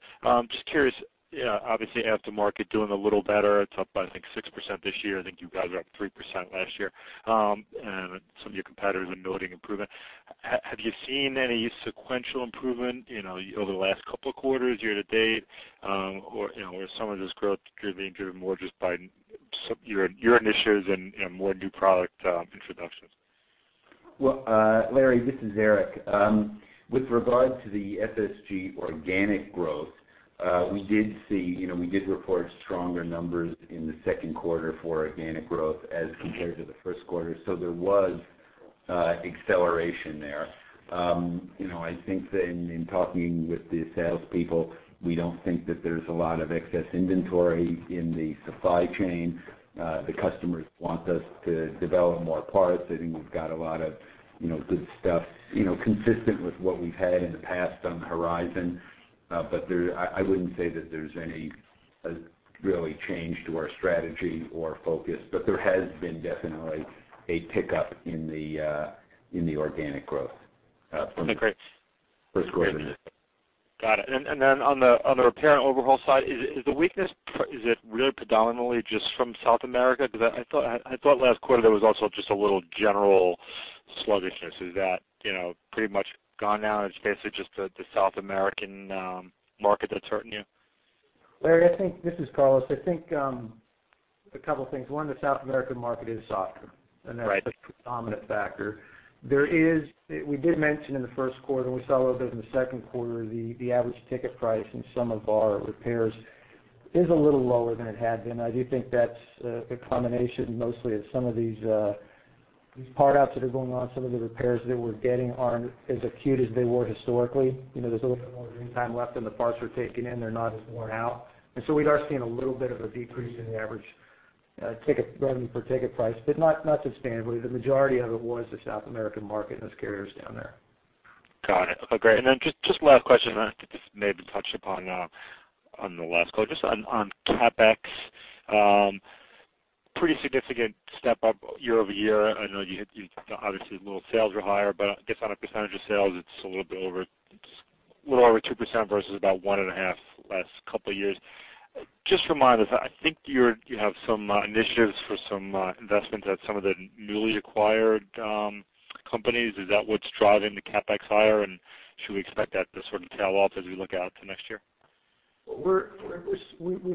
Just curious, obviously you have the market doing a little better. It's up by, I think, 6% this year. I think you guys are up 3% last year. Some of your competitors are noting improvement. Have you seen any sequential improvement over the last couple of quarters, year-to-date? Or is some of this growth being driven more just by your initiatives and more new product introductions? Larry, this is Eric. With regard to the FSG organic growth, we did report stronger numbers in the second quarter for organic growth as compared to the first quarter. There was acceleration there. I think that in talking with the salespeople, we don't think that there's a lot of excess inventory in the supply chain. The customers want us to develop more parts. I think we've got a lot of good stuff consistent with what we've had in the past on the horizon. I wouldn't say that there's any really change to our strategy or focus. There has been definitely a pickup in the organic growth from- Okay, great first quarter to this. Got it. Then on the repair and overhaul side, is the weakness, is it really predominantly just from South America? Because I thought last quarter there was also just a little general sluggishness. Is that pretty much gone now, and it's basically just the South American market that's hurting you? Larry, this is Carlos. I think a couple of things. One, the South American market is softer, and that's the predominant factor. We did mention in the first quarter, we saw a little bit in the second quarter, the average ticket price in some of our repairs is a little lower than it had been. I do think that's a combination mostly of some of these part outs that are going on. Some of the repairs that we're getting aren't as acute as they were historically. There's a little bit more ring time left in the parts we're taking in. They're not as worn out. So we are seeing a little bit of a decrease in the average ticket revenue per ticket price, but not substantially. The majority of it was the South American market and those carriers down there. Got it. Okay, great. Then just last question that may have been touched upon on the last call, just on CapEx. Pretty significant step up year-over-year. I know you obviously, sales were higher, but I guess on a percentage of sales, it's a little over 2% versus about one and a half the last couple of years. Just remind us, I think you have some initiatives for some investments at some of the newly acquired companies. Is that what's driving the CapEx higher? Should we expect that to sort of tail off as we look out to next year? We've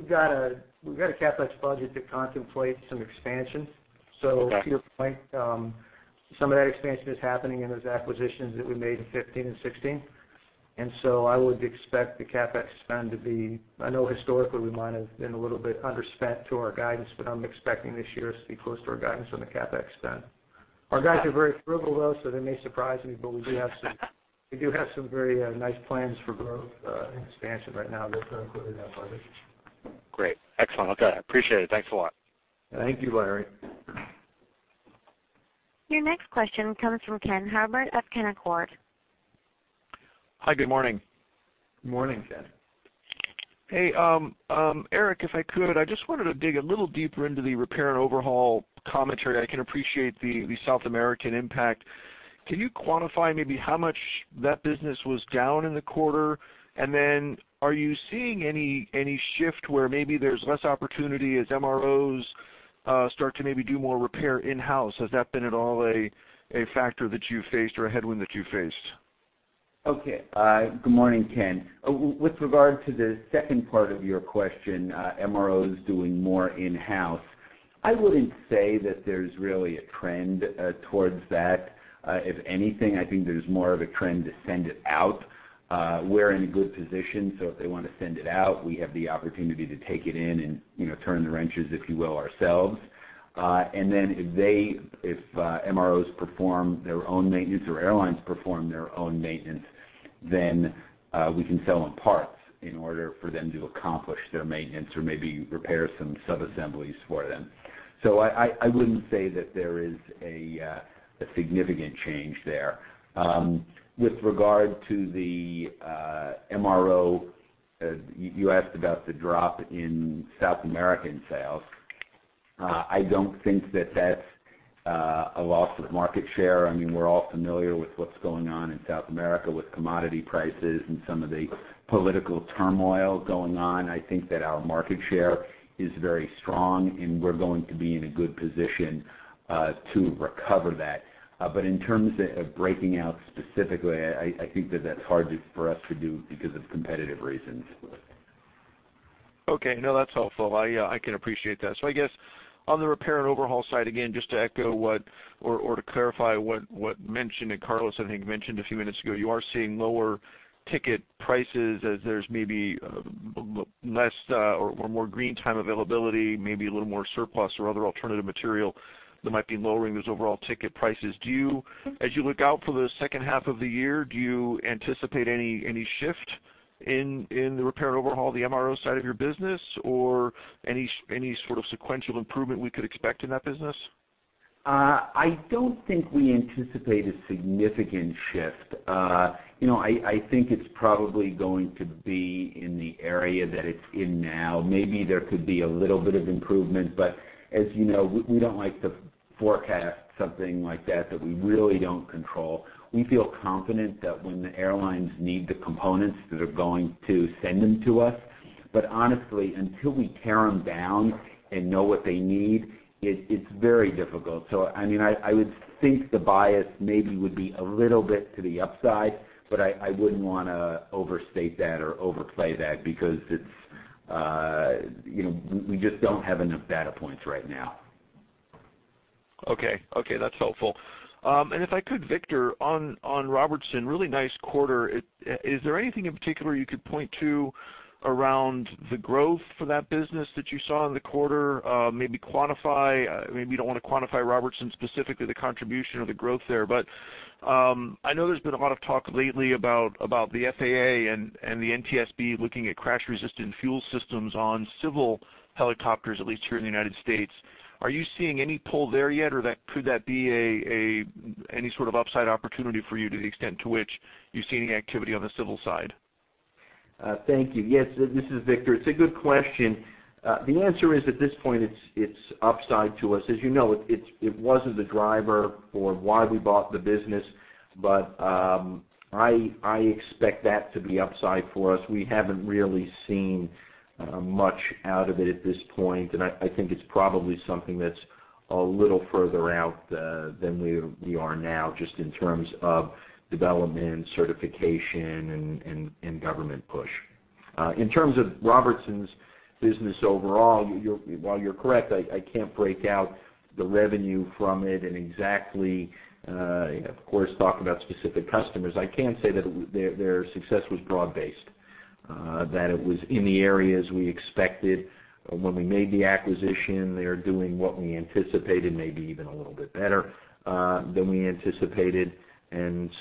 got a CapEx budget that contemplates some expansion. Okay. To your point, some of that expansion is happening in those acquisitions that we made in 2015 and 2016. I would expect the CapEx spend to be, I know historically we might have been a little bit underspent to our guidance, but I'm expecting this year to be close to our guidance on the CapEx spend. Our guys are very frugal, though, so they may surprise me, but we do have some very nice plans for growth and expansion right now that are included in that budget. Great. Excellent. Okay, appreciate it. Thanks a lot. Thank you, Larry. Your next question comes from Ken Herbert of Canaccord. Hi, good morning. Morning, Ken. Hey, Eric, if I could, I just wanted to dig a little deeper into the repair and overhaul commentary. I can appreciate the South American impact. Can you quantify maybe how much that business was down in the quarter? Then are you seeing any shift where maybe there's less opportunity as MROs start to maybe do more repair in-house? Has that been at all a factor that you faced or a headwind that you faced? Okay. Good morning, Ken Herbert. With regard to the second part of your question, MROs doing more in-house, I wouldn't say that there's really a trend towards that. If anything, I think there's more of a trend to send it out. We're in a good position, if they want to send it out, we have the opportunity to take it in and turn the wrenches, if you will, ourselves. Then if MROs perform their own maintenance or airlines perform their own maintenance, then we can sell them parts in order for them to accomplish their maintenance or maybe repair some subassemblies for them. I wouldn't say that there is a significant change there. With regard to the MRO, you asked about the drop in South American sales. I don't think that's a loss of market share. We're all familiar with what's going on in South America with commodity prices and some of the political turmoil going on. I think that our market share is very strong, and we're going to be in a good position to recover that. In terms of breaking out specifically, I think that's hard for us to do because of competitive reasons. Okay. No, that's helpful. I can appreciate that. I guess on the repair and overhaul side, again, just to echo or to clarify what mentioned, and Carlos, I think, mentioned a few minutes ago, you are seeing lower ticket prices as there's maybe more green time availability, maybe a little more surplus or other alternative material that might be lowering those overall ticket prices. As you look out for the second half of the year, do you anticipate any shift in the repair and overhaul, the MRO side of your business? Any sort of sequential improvement we could expect in that business? I don't think we anticipate a significant shift. I think it's probably going to be in the area that it's in now. Maybe there could be a little bit of improvement, but as you know, we don't like to forecast something like that we really don't control. We feel confident that when the airlines need the components that are going to send them to us. But honestly, until we tear them down and know what they need, it's very difficult. I would think the bias maybe would be a little bit to the upside, but I wouldn't want to overstate that or overplay that because we just don't have enough data points right now. Okay. That's helpful. If I could, Victor, on Robertson, really nice quarter. Is there anything in particular you could point to around the growth for that business that you saw in the quarter? Maybe quantify, maybe you don't want to quantify Robertson specifically, the contribution or the growth there, I know there's been a lot of talk lately about the FAA and the NTSB looking at crash-resistant fuel systems on civil helicopters, at least here in the U.S. Are you seeing any pull there yet, or could that be any sort of upside opportunity for you to the extent to which you see any activity on the civil side? Thank you. Yes, this is Victor. It's a good question. The answer is, at this point, it's upside to us. As you know, it wasn't the driver for why we bought the business, I expect that to be upside for us. We haven't really seen much out of it at this point, I think it's probably something that's A little further out than we are now, just in terms of development, certification, government push. In terms of Robertson's business overall, while you're correct, I can't break out the revenue from it exactly, of course, talk about specific customers. I can say that their success was broad-based, that it was in the areas we expected when we made the acquisition. They're doing what we anticipated, maybe even a little bit better than we anticipated.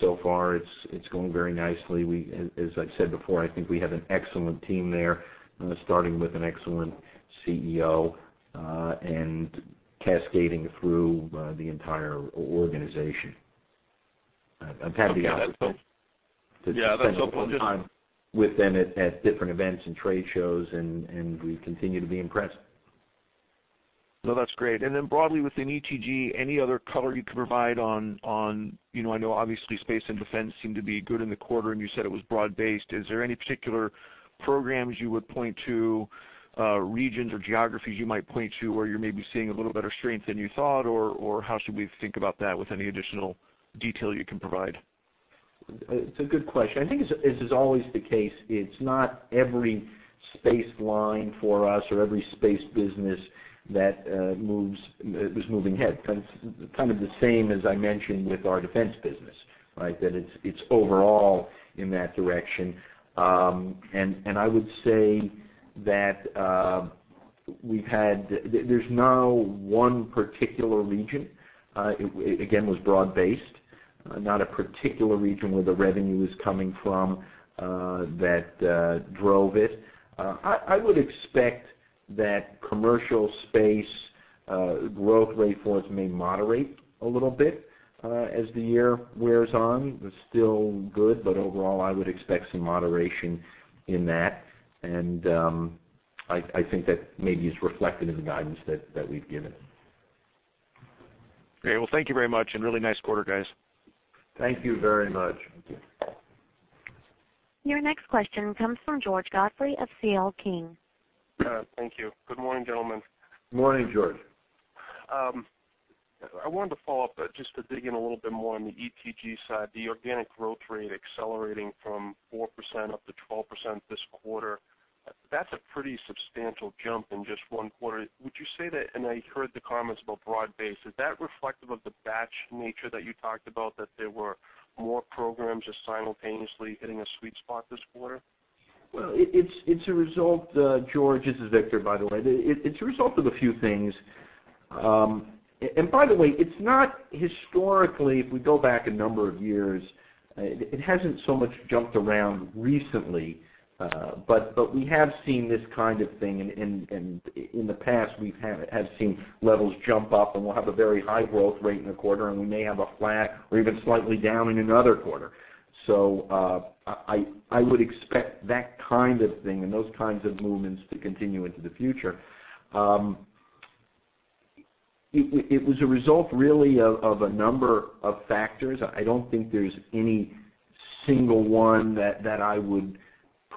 So far, it's going very nicely. As I've said before, I think we have an excellent team there, starting with an excellent CEO, cascading through the entire organization. I've had the opportunity- Yeah, that's helpful to spend a little time with them at different events and trade shows, and we continue to be impressed. No, that's great. Broadly within ETG, any other color you can provide on, I know obviously space and defense seem to be good in the quarter, and you said it was broad-based. Is there any particular programs you would point to, regions or geographies you might point to where you're maybe seeing a little better strength than you thought? How should we think about that with any additional detail you can provide? It's a good question. I think as is always the case, it's not every space line for us or every space business that was moving ahead. Kind of the same as I mentioned with our defense business, right? It's overall in that direction. I would say that there's no one particular region. Again, it was broad-based, not a particular region where the revenue was coming from that drove it. I would expect that commercial space growth rate for us may moderate a little bit as the year wears on, but still good. Overall, I would expect some moderation in that, and I think that maybe is reflected in the guidance that we've given. Great. Well, thank you very much, and really nice quarter, guys. Thank you very much. Thank you. Your next question comes from George Godfrey of CL King. Thank you. Good morning, gentlemen. Morning, George. I wanted to follow up just to dig in a little bit more on the ETG side, the organic growth rate accelerating from 4% up to 12% this quarter. That's a pretty substantial jump in just one quarter. Would you say that, and I heard the comments about broad base, is that reflective of the batch nature that you talked about, that there were more programs just simultaneously hitting a sweet spot this quarter? Well, it's a result, George, this is Victor, by the way. It's a result of a few things. By the way, historically, if we go back a number of years, it hasn't so much jumped around recently. We have seen this kind of thing in the past. We have seen levels jump up, and we'll have a very high growth rate in a quarter, and we may have a flat or even slightly down in another quarter. I would expect that kind of thing and those kinds of movements to continue into the future. It was a result really of a number of factors. I don't think there's any single one that I would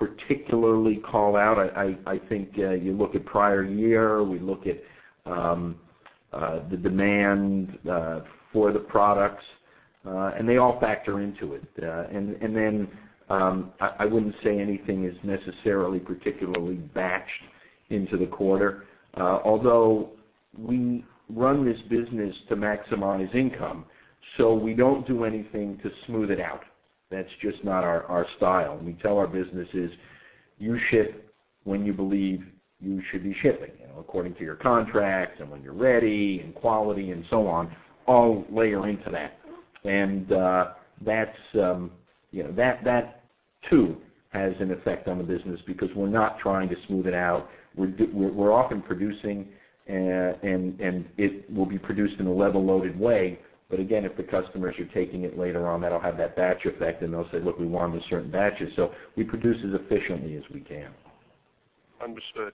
particularly call out. I think you look at prior year, we look at the demand for the products, and they all factor into it. I wouldn't say anything is necessarily particularly batched into the quarter, although we run this business to maximize income, so we don't do anything to smooth it out. That's just not our style. We tell our businesses, you ship when you believe you should be shipping, according to your contracts and when you're ready, and quality and so on, all layer into that. That too, has an effect on the business because we're not trying to smooth it out. We're often producing, and it will be produced in a level-loaded way. Again, if the customers are taking it later on, that'll have that batch effect, and they'll say, "Look, we want them in certain batches." We produce as efficiently as we can. Understood.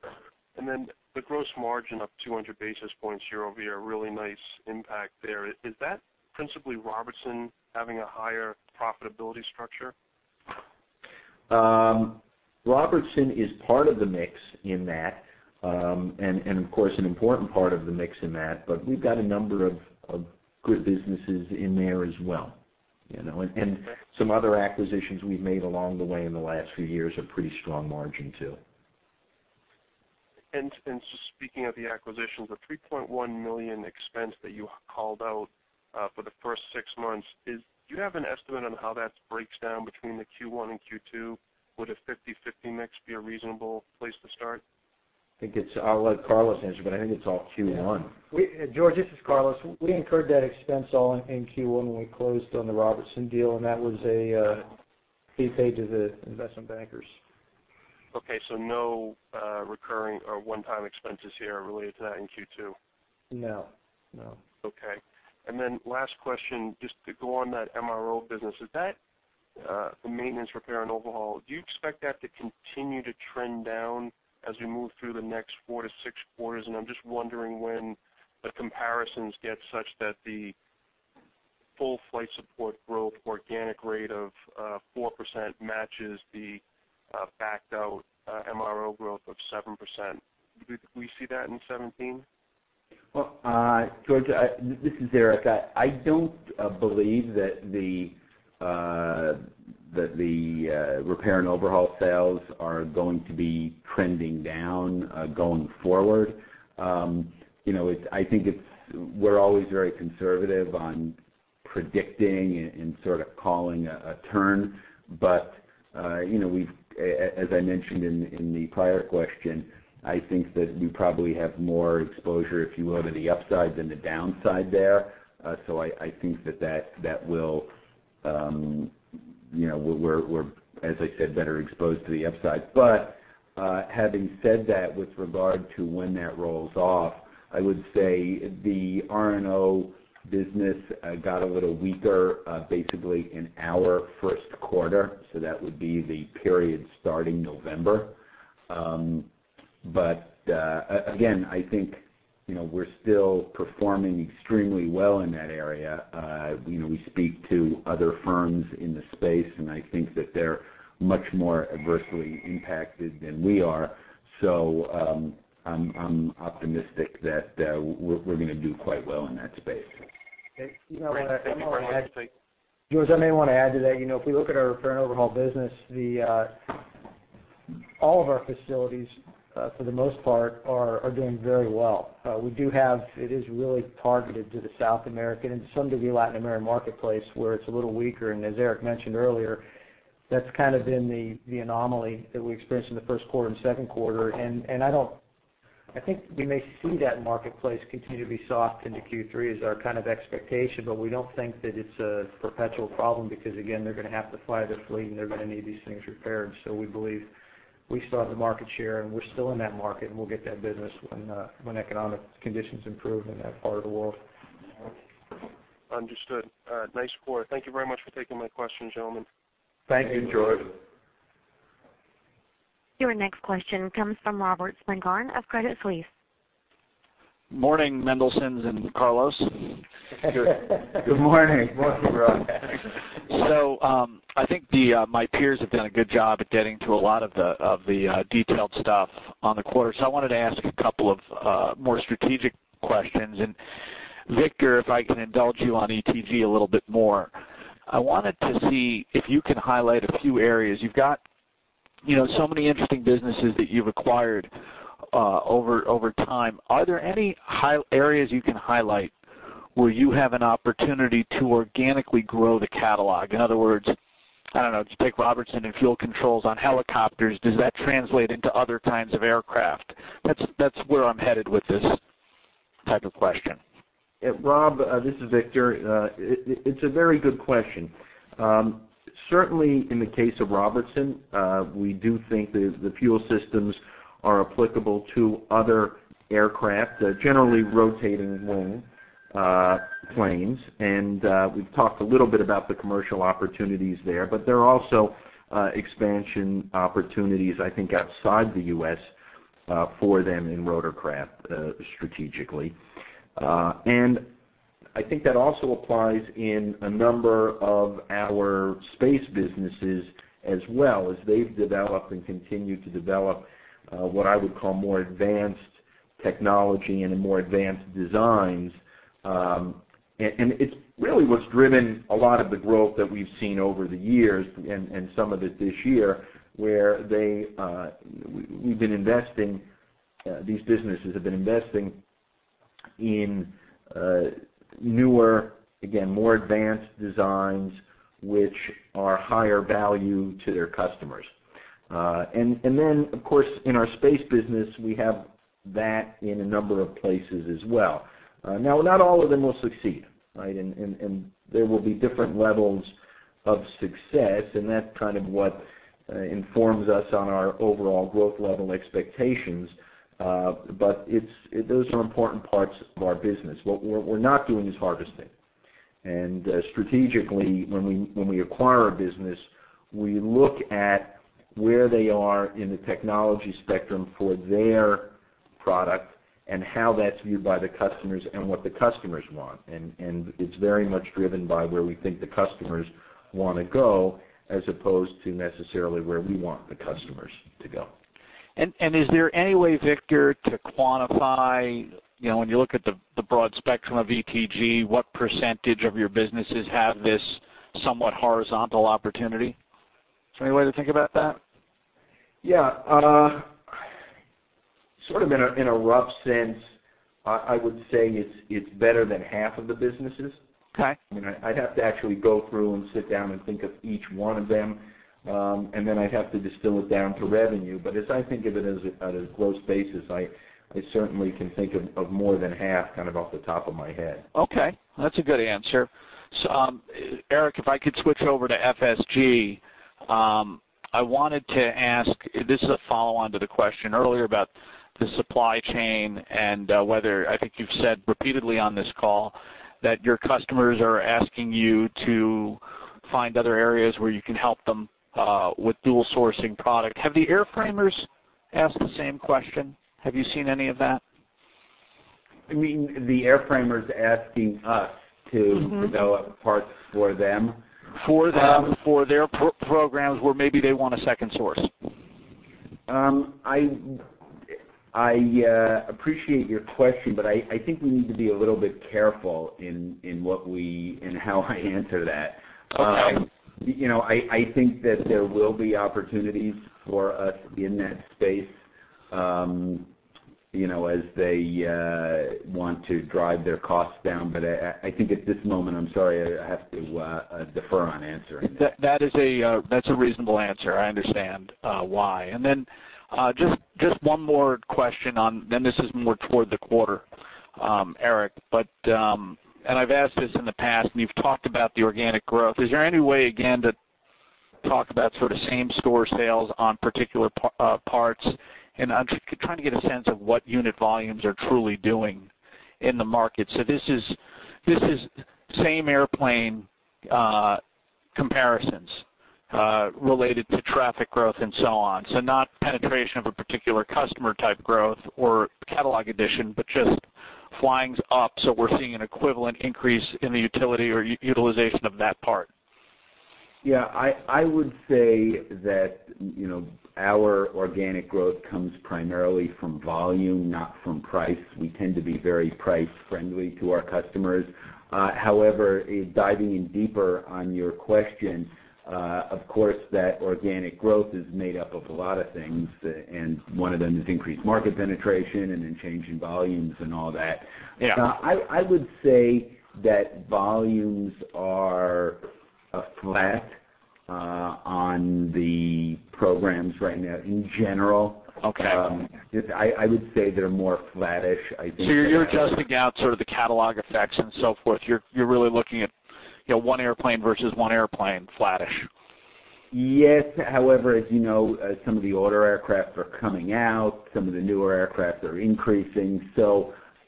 The gross margin up 200 basis points year-over-year, really nice impact there. Is that principally Robertson having a higher profitability structure? Robertson is part of the mix in that, and of course, an important part of the mix in that, but we've got a number of good businesses in there as well. Some other acquisitions we've made along the way in the last few years are pretty strong margin too. Speaking of the acquisitions, the $3.1 million expense that you called out for the first six months, do you have an estimate on how that breaks down between the Q1 and Q2? Would a 50/50 mix be a reasonable place to start? I'll let Carlos answer, but I think it's all Q1. George, this is Carlos. We incurred that expense all in Q1 when we closed on the Robertson deal, and that was a fee paid to the investment bankers. Okay, no recurring or one-time expenses here related to that in Q2? No. Okay. Last question, just to go on that MRO business. The maintenance, repair, and overhaul, do you expect that to continue to trend down as we move through the next four to six quarters? I'm just wondering when the comparisons get such that the full Flight Support growth, organic rate of 4% matches the backed-out MRO growth of 7%. Do we see that in 2017? Well, George, this is Eric. I don't believe that the repair and overhaul sales are going to be trending down, going forward. We're always very conservative on predicting and sort of calling a turn. As I mentioned in the prior question, I think that we probably have more exposure, if you will, to the upside than the downside there. I think that we're, as I said, better exposed to the upside. Having said that, with regard to when that rolls off, I would say the R&O business got a little weaker, basically in our first quarter, so that would be the period starting November. Again, I think, we're still performing extremely well in that area. We speak to other firms in the space, and I think that they're much more adversely impacted than we are. I'm optimistic that we're going to do quite well in that space. Okay. Great. Thank you very much. George, I may want to add to that. If we look at our repair and overhaul business, all of our facilities, for the most part, are doing very well. It is really targeted to the South American and to some degree, Latin American marketplace, where it's a little weaker. As Eric mentioned earlier, that's kind of been the anomaly that we experienced in the first quarter and second quarter. I think we may see that marketplace continue to be soft into Q3 as our kind of expectation, we don't think that it's a perpetual problem, again, they're going to have to fly their fleet, and they're going to need these things repaired. So we believe we still have the market share, and we're still in that market, and we'll get that business when economic conditions improve in that part of the world. Understood. Nice quarter. Thank you very much for taking my questions, gentlemen. Thank you, George. Your next question comes from Robert Spingarn of Credit Suisse. Morning, Mendelsons and Carlos. Good morning. Morning, Rob. I think my peers have done a good job at getting to a lot of the detailed stuff on the quarter. I wanted to ask a couple of more strategic questions. Victor, if I can indulge you on ETG a little bit more, I wanted to see if you can highlight a few areas. You've got so many interesting businesses that you've acquired over time. Are there any areas you can highlight where you have an opportunity to organically grow the catalog? In other words, I don't know, if you take Robertson and fuel controls on helicopters, does that translate into other kinds of aircraft? That's where I'm headed with this type of question. Rob, this is Victor. It's a very good question. Certainly, in the case of Robertson, we do think that the fuel systems are applicable to other aircraft, generally rotating wing planes. We've talked a little bit about the commercial opportunities there, but there are also expansion opportunities, I think, outside the U.S. for them in rotorcraft, strategically. I think that also applies in a number of our space businesses as well, as they've developed and continue to develop what I would call more advanced technology and more advanced designs. It's really what's driven a lot of the growth that we've seen over the years, and some of it this year, where these businesses have been investing in newer, again, more advanced designs, which are higher value to their customers. Of course, in our space business, we have that in a number of places as well. Now, not all of them will succeed, right? There will be different levels of success, and that's kind of what informs us on our overall growth level expectations. Those are important parts of our business. What we're not doing is harvesting, and strategically, when we acquire a business, we look at where they are in the technology spectrum for their product and how that's viewed by the customers and what the customers want. It's very much driven by where we think the customers want to go as opposed to necessarily where we want the customers to go. Is there any way, Victor, to quantify, when you look at the broad spectrum of ETG, what percentage of your businesses have this somewhat horizontal opportunity? Is there any way to think about that? Yeah. Sort of in a rough sense, I would say it's better than half of the businesses. Okay. I'd have to actually go through and sit down and think of each one of them, and then I'd have to distill it down to revenue. As I think of it at a close basis, I certainly can think of more than half, kind of off the top of my head. Okay. That's a good answer. Eric, if I could switch over to FSG, I wanted to ask, this is a follow-on to the question earlier about the supply chain and whether, I think you've said repeatedly on this call that your customers are asking you to find other areas where you can help them with dual sourcing product. Have the airframers asked the same question? Have you seen any of that? You mean the airframers asking us to- develop parts for them? For them, for their programs, where maybe they want a second source. I appreciate your question, but I think we need to be a little bit careful in how I answer that. Okay. I think that there will be opportunities for us in that space, as they want to drive their costs down. I think at this moment, I'm sorry, I have to defer on answering. That's a reasonable answer. I understand why. Just one more question on, this is more toward the quarter, Eric. I've asked this in the past, and you've talked about the organic growth. Is there any way, again, to talk about sort of same store sales on particular parts? I'm trying to get a sense of what unit volumes are truly doing in the market. This is same airplane comparisons related to traffic growth and so on. Not penetration of a particular customer type growth or catalog addition, but just flying's up, so we're seeing an equivalent increase in the utility or utilization of that part. Yeah, I would say that our organic growth comes primarily from volume, not from price. We tend to be very price friendly to our customers. However, diving in deeper on your question, of course, that organic growth is made up of a lot of things, and one of them is increased market penetration and then change in volumes and all that. Yeah. I would say that volumes are flat on the programs right now, in general. Okay. I would say they're more flattish, I think. You're adjusting out sort of the catalog effects and so forth. You're really looking at one airplane versus one airplane, flattish. Yes. As you know, some of the older aircraft are coming out, some of the newer aircraft are increasing,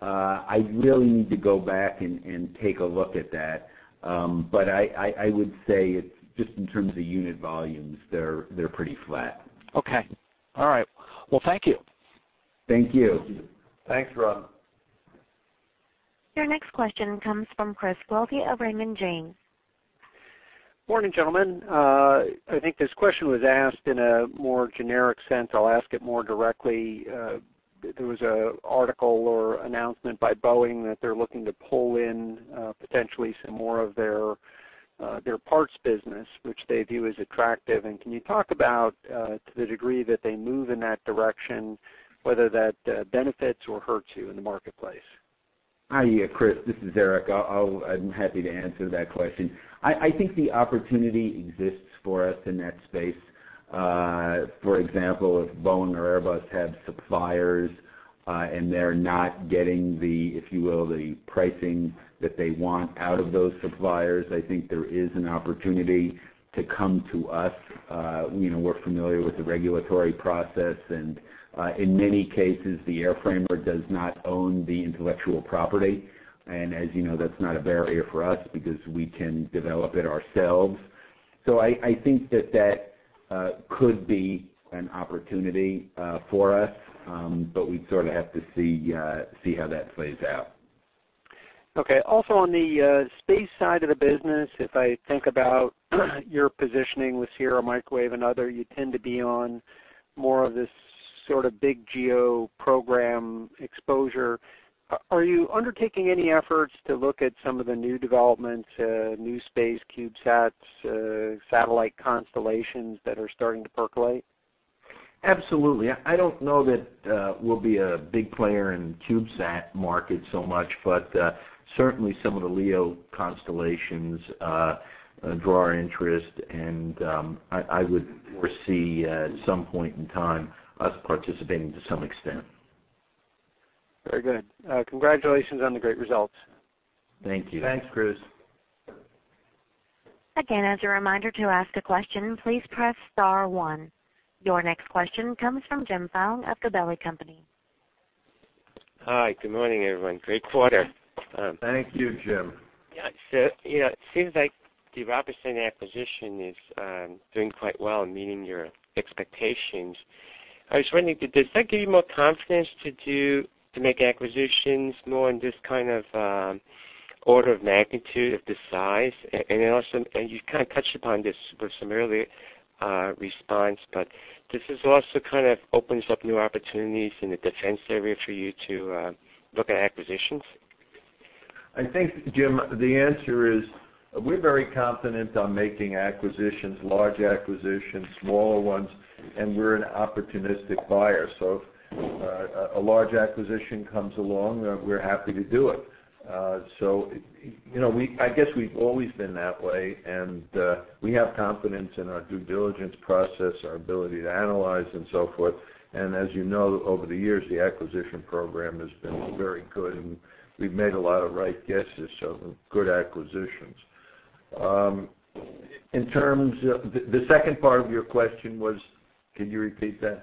I really need to go back and take a look at that. I would say just in terms of unit volumes, they're pretty flat. Okay. All right. Well, thank you. Thank you. Thanks, Rob. Your next question comes from Chris Welty of Raymond James. Morning, gentlemen. I think this question was asked in a more generic sense. I'll ask it more directly. There was an article or announcement by Boeing that they're looking to pull in potentially some more of their parts business, which they view as attractive. Can you talk about, to the degree that they move in that direction, whether that benefits or hurts you in the marketplace? Hi, Chris. This is Eric Mendelson. I'm happy to answer that question. I think the opportunity exists for us in that space. For example, if Boeing or Airbus have suppliers, and they're not getting the, if you will, the pricing that they want out of those suppliers, I think there is an opportunity to come to us. We're familiar with the regulatory process, and in many cases, the airframer does not own the intellectual property. As you know, that's not a barrier for us because we can develop it ourselves. I think that that could be an opportunity for us, but we sort of have to see how that plays out. Okay. Also, on the space side of the business, if I think about your positioning with Sierra Microwave and other, you tend to be on more of this sort of big geo program exposure. Are you undertaking any efforts to look at some of the new developments, new space CubeSats, satellite constellations that are starting to percolate? Absolutely. I don't know that we'll be a big player in the CubeSat market so much, but certainly some of the LEO constellations draw our interest, and I would foresee at some point in time us participating to some extent. Very good. Congratulations on the great results. Thank you. Thanks, Chris. As a reminder, to ask a question, please press *1. Your next question comes from Jim Fong of Gabelli Company. Hi, good morning, everyone. Great quarter. Thank you, Jim. It seems like the Robertson acquisition is doing quite well and meeting your expectations. I was wondering, did that give you more confidence to make acquisitions more in this kind of order of magnitude of the size? You kind of touched upon this with some early response, but does this also kind of open some new opportunities in the defense area for you to look at acquisitions? I think, Jim, the answer is we're very confident on making acquisitions, large acquisitions, smaller ones, and we're an opportunistic buyer. If a large acquisition comes along, we're happy to do it. I guess we've always been that way, and we have confidence in our due diligence process, our ability to analyze, and so forth. As you know, over the years, the acquisition program has been very good, and we've made a lot of right guesses, good acquisitions. The second part of your question was, can you repeat that?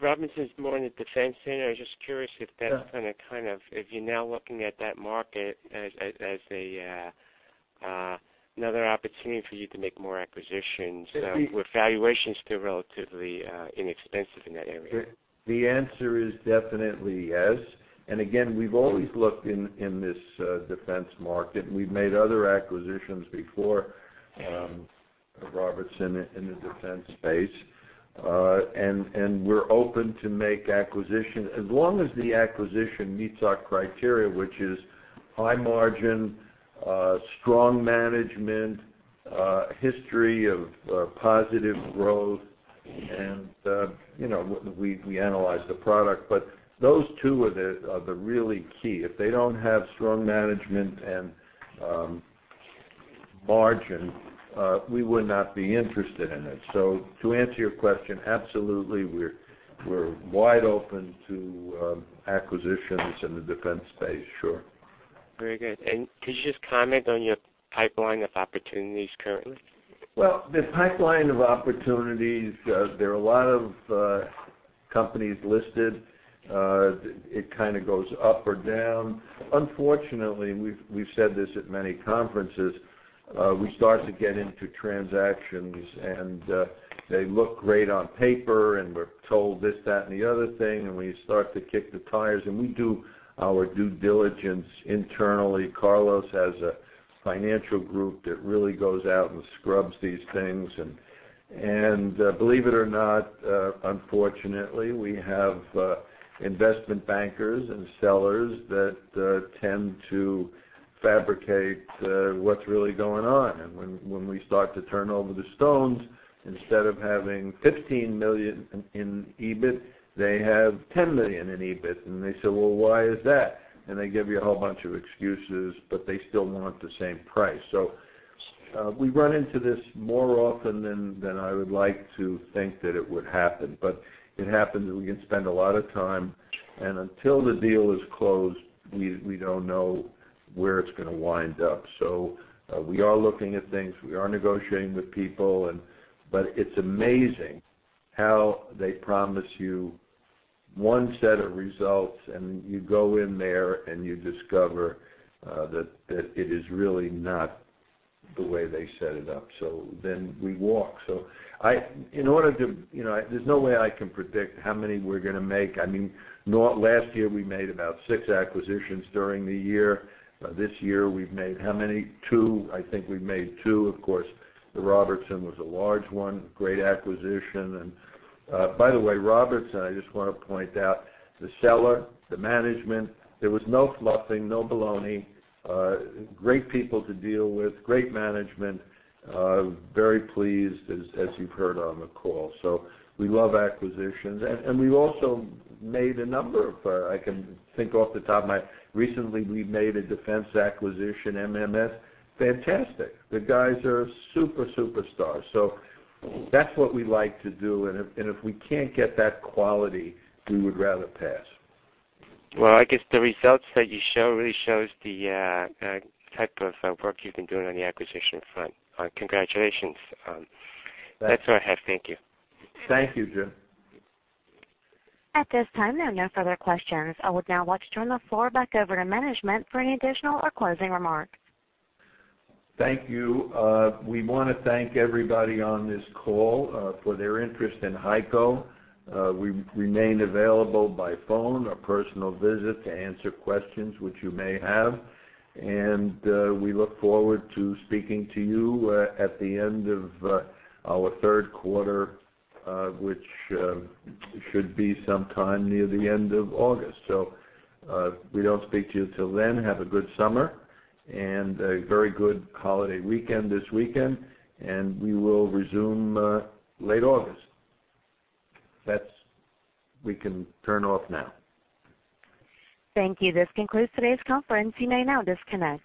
Robertson's more in the defense end. I was just curious if you're now looking at that market as another opportunity for you to make more acquisitions, with valuations still relatively inexpensive in that area. The answer is definitely yes. Again, we've always looked in this defense market, and we've made other acquisitions before Robertson in the defense space. We're open to make acquisition, as long as the acquisition meets our criteria, which is high margin, strong management, history of positive growth, and we analyze the product. Those two are the really key. If they don't have strong management and margin, we would not be interested in it. To answer your question, absolutely, we're wide open to acquisitions in the defense space. Sure. Very good. Could you just comment on your pipeline of opportunities currently? Well, the pipeline of opportunities, there are a lot of companies listed. It kind of goes up or down. Unfortunately, we've said this at many conferences, we start to get into transactions, and they look great on paper, and we're told this, that, and the other thing, and we start to kick the tires, and we do our due diligence internally. Carlos has a financial group that really goes out and scrubs these things. Believe it or not, unfortunately, we have investment bankers and sellers that tend to fabricate what's really going on. When we start to turn over the stones, instead of having 15 million in EBIT, they have 10 million in EBIT, and they say, "Well, why is that?" They give you a whole bunch of excuses, they still want the same price. We run into this more often than I would like to think that it would happen. It happens, we can spend a lot of time, until the deal is closed, we don't know where it's going to wind up. We are looking at things. We are negotiating with people, it's amazing how they promise you one set of results, you go in there, you discover that it is really not the way they set it up. We walk. There's no way I can predict how many we're going to make. Last year, we made about 6 acquisitions during the year. This year, we've made how many? 2. I think we've made 2. Of course, the Robertson was a large one, great acquisition. By the way, Robertson, I just want to point out, the seller, the management, there was no fluffing, no baloney. Great people to deal with, great management. Very pleased, as you've heard on the call. We love acquisitions. We've also made a number of Recently, we made a defense acquisition, MMS. Fantastic. The guys are super stars. That's what we like to do, and if we can't get that quality, we would rather pass. Well, I guess the results that you show really shows the type of work you've been doing on the acquisition front. Congratulations. Thanks. That's all I have. Thank you. Thank you, Jim. At this time, there are no further questions. I would now like to turn the floor back over to management for any additional or closing remarks. Thank you. We want to thank everybody on this call for their interest in HEICO. We remain available by phone or personal visit to answer questions which you may have. We look forward to speaking to you at the end of our third quarter, which should be sometime near the end of August. If we don't speak to you till then, have a good summer and a very good holiday weekend this weekend, and we will resume late August. We can turn off now. Thank you. This concludes today's conference. You may now disconnect.